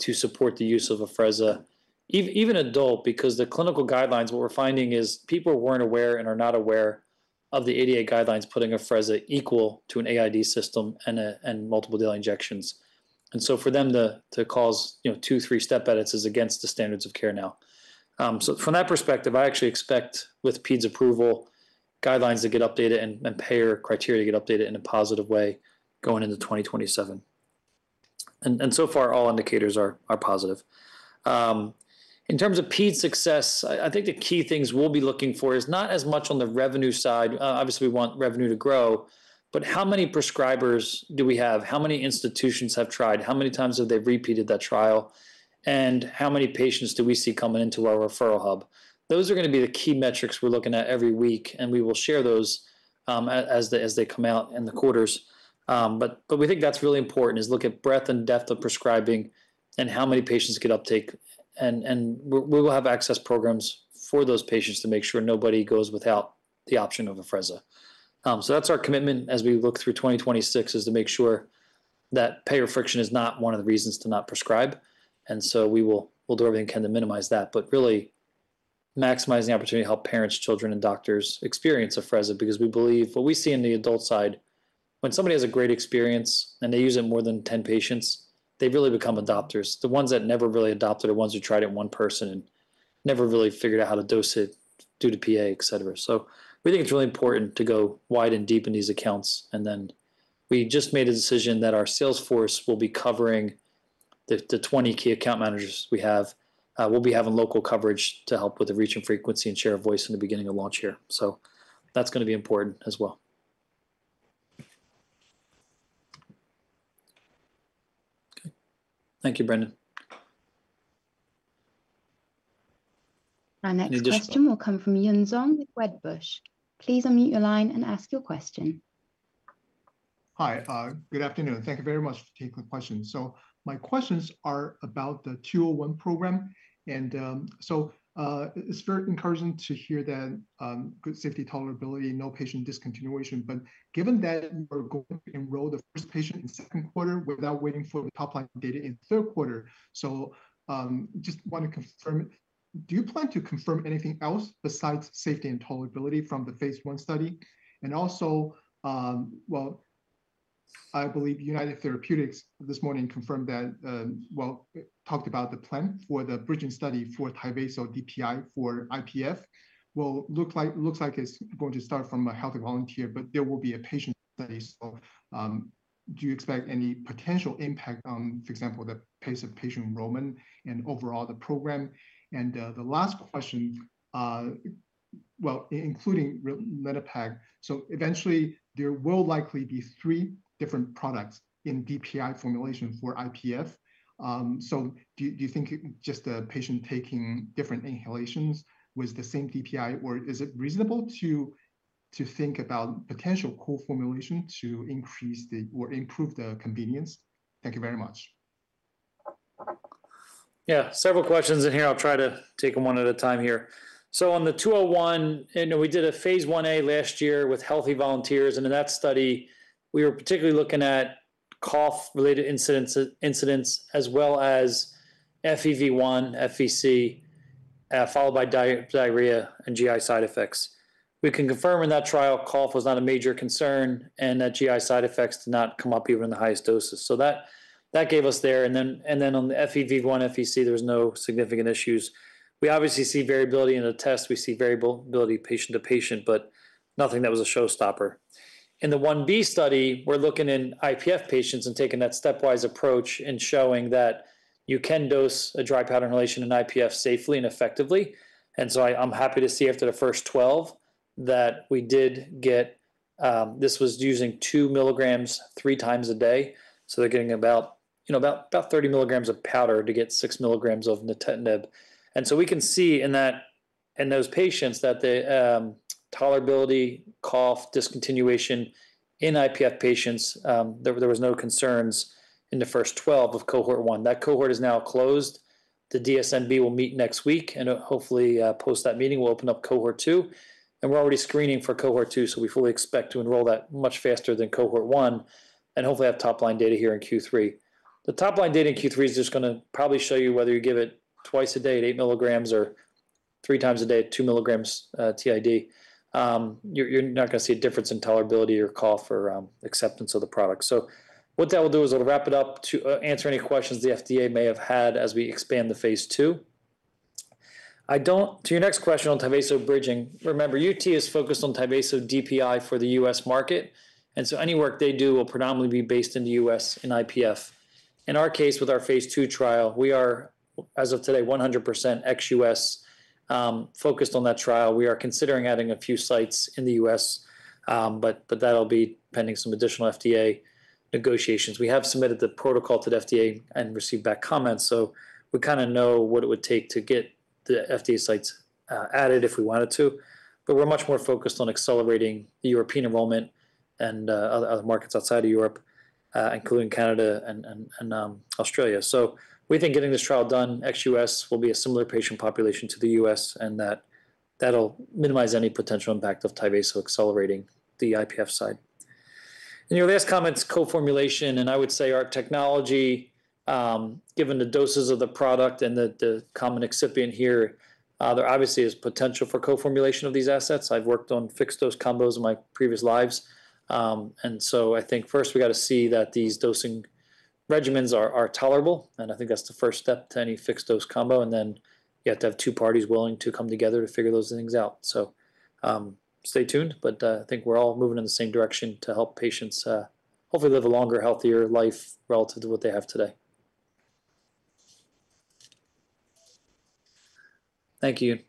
to support the use of Afrezza. Even adult because the clinical guidelines, what we're finding is people weren't aware and are not aware of the ADA guidelines putting Afrezza equal to an AID system and multiple daily injections. For them to cause, you know, 2, 3 step edits is against the standards of care now. From that perspective, I actually expect with ped's approval guidelines to get updated and payer criteria to get updated in a positive way going into 2027. So far all indicators are positive. In terms of ped success, I think the key things we'll be looking for is not as much on the revenue side. Obviously we want revenue to grow, but how many prescribers do we have? How many institutions have tried? How many times have they repeated that trial? How many patients do we see coming into our referral hub? Those are gonna be the key metrics we're looking at every week, and we will share those as they come out in the quarters. We think that's really important is look at breadth and depth of prescribing and how many patients could uptake and we will have access programs for those patients to make sure nobody goes without the option of Afrezza. That's our commitment as we look through 2026 is to make sure that payer friction is not one of the reasons to not prescribe, we'll do everything we can to minimize that. Really maximize the opportunity to help parents, children, and doctors experience Afrezza because we believe what we see in the adult side, when somebody has a great experience and they use it in more than 10 patients, they really become adopters. The ones that never really adopt it are ones who tried it in one person and never really figured out how to dose it due to PA, et cetera. We think it's really important to go wide and deep in these accounts, and then we just made a decision that our sales force will be covering the 20 key account managers we have, will be having local coverage to help with the reach and frequency and share of voice in the beginning of launch here. That's going to be important as well. Okay. Thank you, Brandon. Our next question will come from Yun Zhong with Wedbush. Please unmute your line and ask your question. Hi, good afternoon. Thank you very much for taking my question. My questions are about the MNKD-201 program. It's very encouraging to hear that good safety tolerability, no patient discontinuation. Given that we're going to enroll the first patient in 2Q without waiting for the top line data in 3Q, just want to confirm, do you plan to confirm anything else besides safety and tolerability from the phase I study? I believe United Therapeutics this morning confirmed that talked about the plan for the bridging study for Tyvaso DPI for IPF. Looks like it's going to start from a healthy volunteer, but there will be a patient study. Do you expect any potential impact on, for example, the pace of patient enrollment and overall the program? The last question, well, including ralinepag, eventually there will likely be three different products in DPI formulation for IPF. Do you think just a patient taking different inhalations with the same DPI, or is it reasonable to think about potential co-formulation to increase the, or improve the convenience? Thank you very much. Yeah, several questions in here. I'll try to take 'em one at a time here. On the MNKD-201, you know, we did a phase I-A last year with healthy volunteers, and in that study we were particularly looking at cough-related incidence, as well as FEV1, FVC, followed by diarrhea and GI side effects. We can confirm in that trial cough was not a major concern, and that GI side effects did not come up even in the highest doses. That, that gave us there. On the FEV1, FVC there was no significant issues. We obviously see variability in the test. We see variability patient to patient, but nothing that was a showstopper. In the I-B study, we're looking in IPF patients and taking that stepwise approach and showing that you can dose a dry powder inhalation in IPF safely and effectively. I'm happy to see after the first 12 that we did get, This was using 2mg 3 times a day, so they're getting about, you know, about 30mg of powder to get 6mg of nintedanib. We can see in that, in those patients that the tolerability, cough, discontinuation in IPF patients, there was no concerns in the first 12 of cohort 1. That cohort is now closed. The DSMB will meet next week, and hopefully, post that meeting we'll open up cohort 2. We're already screening for Cohort 2, so we fully expect to enroll that much faster than cohort 1 and hopefully have top-line data here in Q3. The top-line data in Q3 is just gonna probably show you whether you give it twice a day at 8mg or 3 times a day at 2mg, TID, you're not gonna see a difference in tolerability or cough or acceptance of the product. What that will do is it'll wrap it up to answer any questions the FDA may have had as we expand to phase II. To your next question on Tyvaso bridging, remember UT is focused on Tyvaso DPI for the U.S. market, any work they do will predominantly be based in the U.S. in IPF. In our case with our phase II trial, we are, as of today, 100% ex-U.S. focused on that trial. We are considering adding a few sites in the U.S., but that'll be pending some additional FDA negotiations. We have submitted the protocol to the FDA and received back comments. We kind of know what it would take to get the FDA sites added if we wanted to. We're much more focused on accelerating the European enrollment and other markets outside of Europe, including Canada and Australia. We think getting this trial done ex-U.S. will be a similar patient population to the U.S., and that'll minimize any potential impact of Tyvaso accelerating the IPF side. In your last comments, co-formulation, and I would say our technology, given the doses of the product and the common excipient here, there obviously is potential for co-formulation of these assets. I've worked on fixed-dose combos in my previous lives. I think first we gotta see that these dosing regimens are tolerable, and I think that's the first step to any fixed-dose combo. You have to have two parties willing to come together to figure those things out. Stay tuned. I think we're all moving in the same direction to help patients hopefully live a longer, healthier life relative to what they have today. Thank you.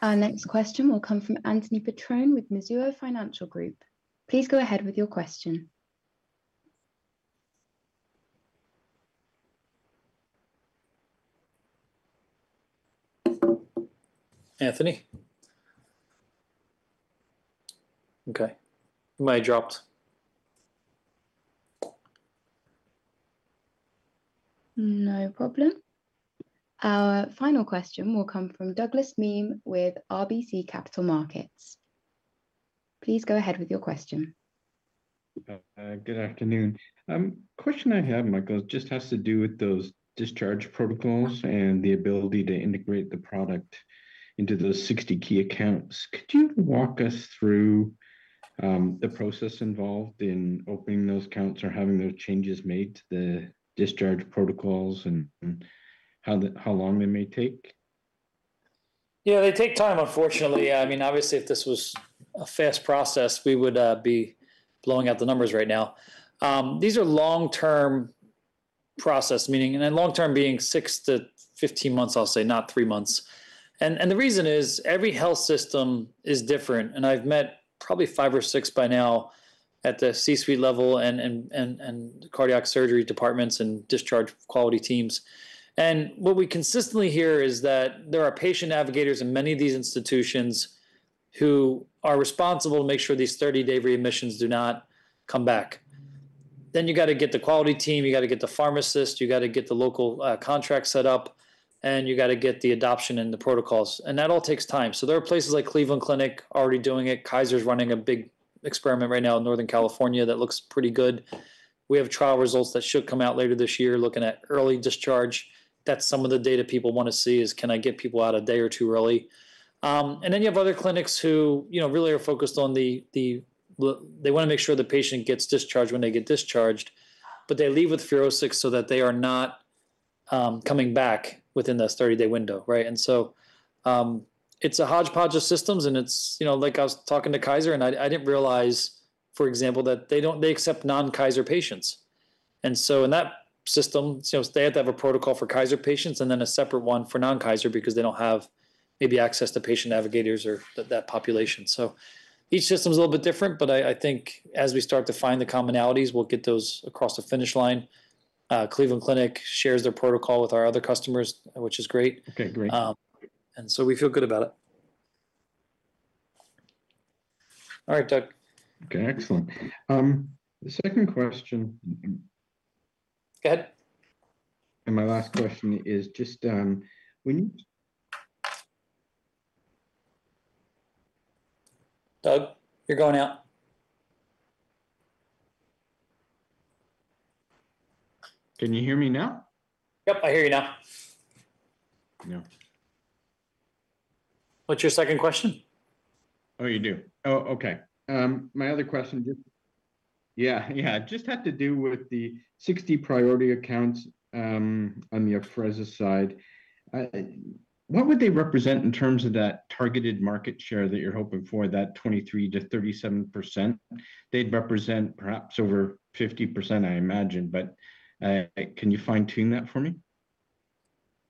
Our next question will come from Anthony Petrone with Mizuho Financial Group. Please go ahead with your question. Anthony? Okay. He may have dropped. No problem. Our final question will come from Douglas Miehm with RBC Capital Markets. Please go ahead with your question. Good afternoon. Question I have, Michael, just has to do with those discharge protocols and the ability to integrate the product into those 60 key accounts. Could you walk us through the process involved in opening those accounts or having those changes made to the discharge protocols and how long they may take? Yeah, they take time unfortunately. I mean, obviously if this was a fast process, we would be blowing out the numbers right now. These are long-term process, meaning long-term being 6-15 months I'll say, not 3 months. The reason is every health system is different, and I've met probably 5 or 6 by now at the C-suite level and cardiac surgery departments and discharge quality teams. What we consistently hear is that there are patient navigators in many of these institutions who are responsible to make sure these 30-day readmissions do not come back. You gotta get the quality team, you gotta get the pharmacist, you gotta get the local contract set up, and you gotta get the adoption and the protocols. That all takes time. There are places like Cleveland Clinic already doing it. Kaiser's running a big experiment right now in Northern California that looks pretty good. We have trial results that should come out later this year looking at early discharge. That's some of the data people wanna see is, can I get people out a day or two early? Then you have other clinics who, you know, really are focused on, they wanna make sure the patient gets discharged when they get discharged, but they leave with FUROSCIX so that they are not coming back within the 30-day window, right? It's a hodgepodge of systems, and it's You know, like I was talking to Kaiser, and I didn't realize, for example, that they don't, they accept non-Kaiser patients. In that system, you know, they have to have a protocol for Kaiser patients and then a separate one for non-Kaiser because they don't have maybe access to patient navigators or that population. Each system's a little bit different, but I think as we start to find the commonalities, we'll get those across the finish line. Cleveland Clinic shares their protocol with our other customers, which is great. Okay, great. We feel good about it. All right, Doug. Okay, excellent. The second question. Go ahead. My last question is just, Doug, you're going out. Can you hear me now? Yep, I hear you now. Yeah. What's your second question? You do. Okay. My other question just had to do with the 60 priority accounts on the Afrezza side. What would they represent in terms of that targeted market share that you're hoping for, that 23% to 37%? They'd represent perhaps over 50%, I imagine, but can you fine-tune that for me?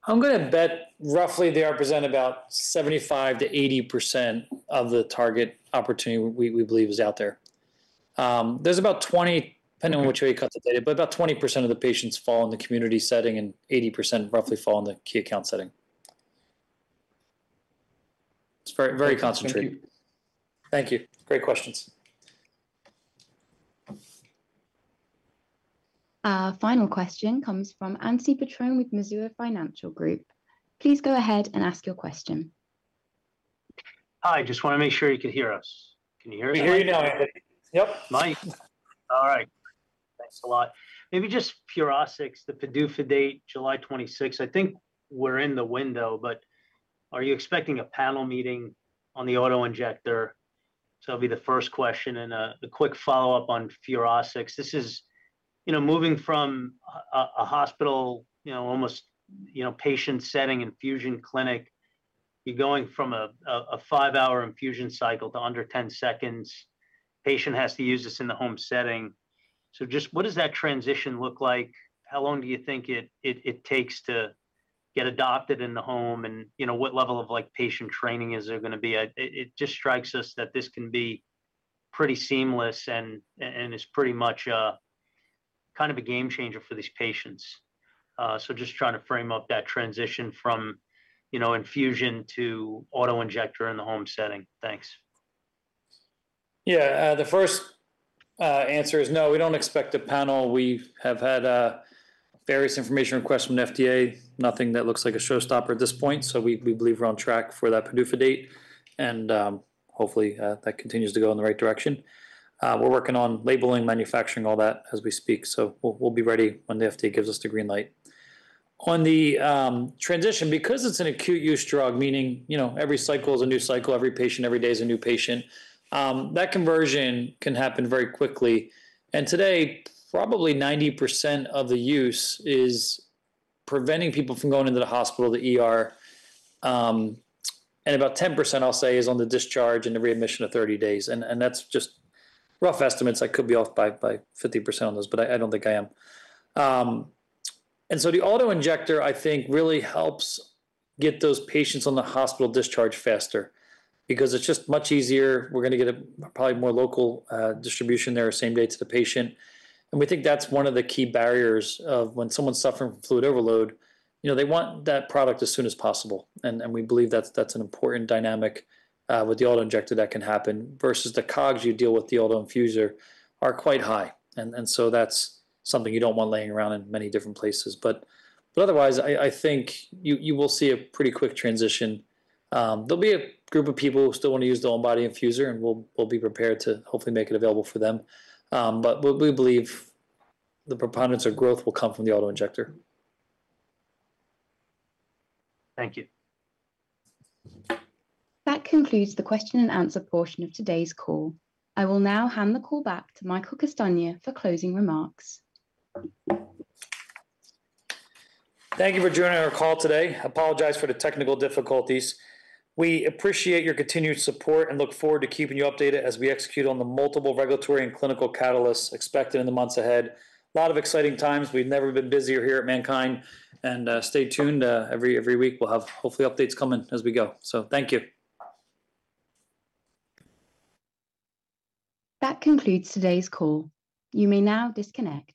I'm gonna bet roughly they represent about 75%-80% of the target opportunity we believe is out there. There's about 20, depending on which way you cut the data, but about 20% of the patients fall in the community setting and 80% roughly fall in the key account setting. It's very concentrated. Thank you. Thank you. Great questions. Our final question comes from Anthony Petrone with Mizuho Financial Group. Please go ahead and ask your question. Hi, just wanna make sure you can hear us. Can you hear me? We hear you now, Andy. Yep. Nice. All right. Thanks a lot. Maybe just FUROSCIX, the PDUFA date, July 26. I think we're in the window, but are you expecting a panel meeting on the auto-injector? That'll be the first question, and a quick follow-up on FUROSCIX. This is, you know, moving from a hospital, you know, almost, you know, patient setting infusion clinic, you're going from a 5-hour infusion cycle to under 10 seconds. Patient has to use this in the home setting. Just what does that transition look like? How long do you think it takes to get adopted in the home and, you know, what level of, like, patient training is there gonna be? It just strikes us that this can be pretty seamless and is pretty much a kind of a game changer for these patients. Just trying to frame up that transition from, you know, infusion to auto-injector in the home setting. Thanks. Yeah. The first answer is no, we don't expect a panel. We have had various information requests from the FDA, nothing that looks like a showstopper at this point, so we believe we're on track for that PDUFA date, and hopefully that continues to go in the right direction. We're working on labeling, manufacturing, all that as we speak, so we'll be ready when the FDA gives us the green light. On the transition, because it's an acute use drug, meaning, you know, every cycle is a new cycle, every patient, every day is a new patient, that conversion can happen very quickly, and today probably 90% of the use is preventing people from going into the hospital, the ER, and about 10%, I'll say, is on the discharge and the readmission of 30 days, and that's just rough estimates. I could be off by 50% on those, but I don't think I am. The auto-injector I think really helps get those patients on the hospital discharge faster because it's just much easier. We're gonna get probably more local distribution there, same day to the patient, and we think that's one of the key barriers of when someone's suffering from fluid overload, you know, they want that product as soon as possible and we believe that's an important dynamic. With the auto-injector that can happen versus the COGS you deal with the auto infuser are quite high and that's something you don't want laying around in many different places. Otherwise I think you will see a pretty quick transition. There'll be a group of people who still wanna use the on-body infuser and we'll be prepared to hopefully make it available for them. We believe the preponderance of growth will come from the auto-injector. Thank you. That concludes the question and answer portion of today's call. I will now hand the call back to Michael Castagna for closing remarks. Thank you for joining our call today. Apologize for the technical difficulties. We appreciate your continued support and look forward to keeping you updated as we execute on the multiple regulatory and clinical catalysts expected in the months ahead. Lot of exciting times. We've never been busier here at MannKind, and stay tuned. Every week we'll have hopefully updates coming as we go. Thank you. That concludes today's call. You may now disconnect.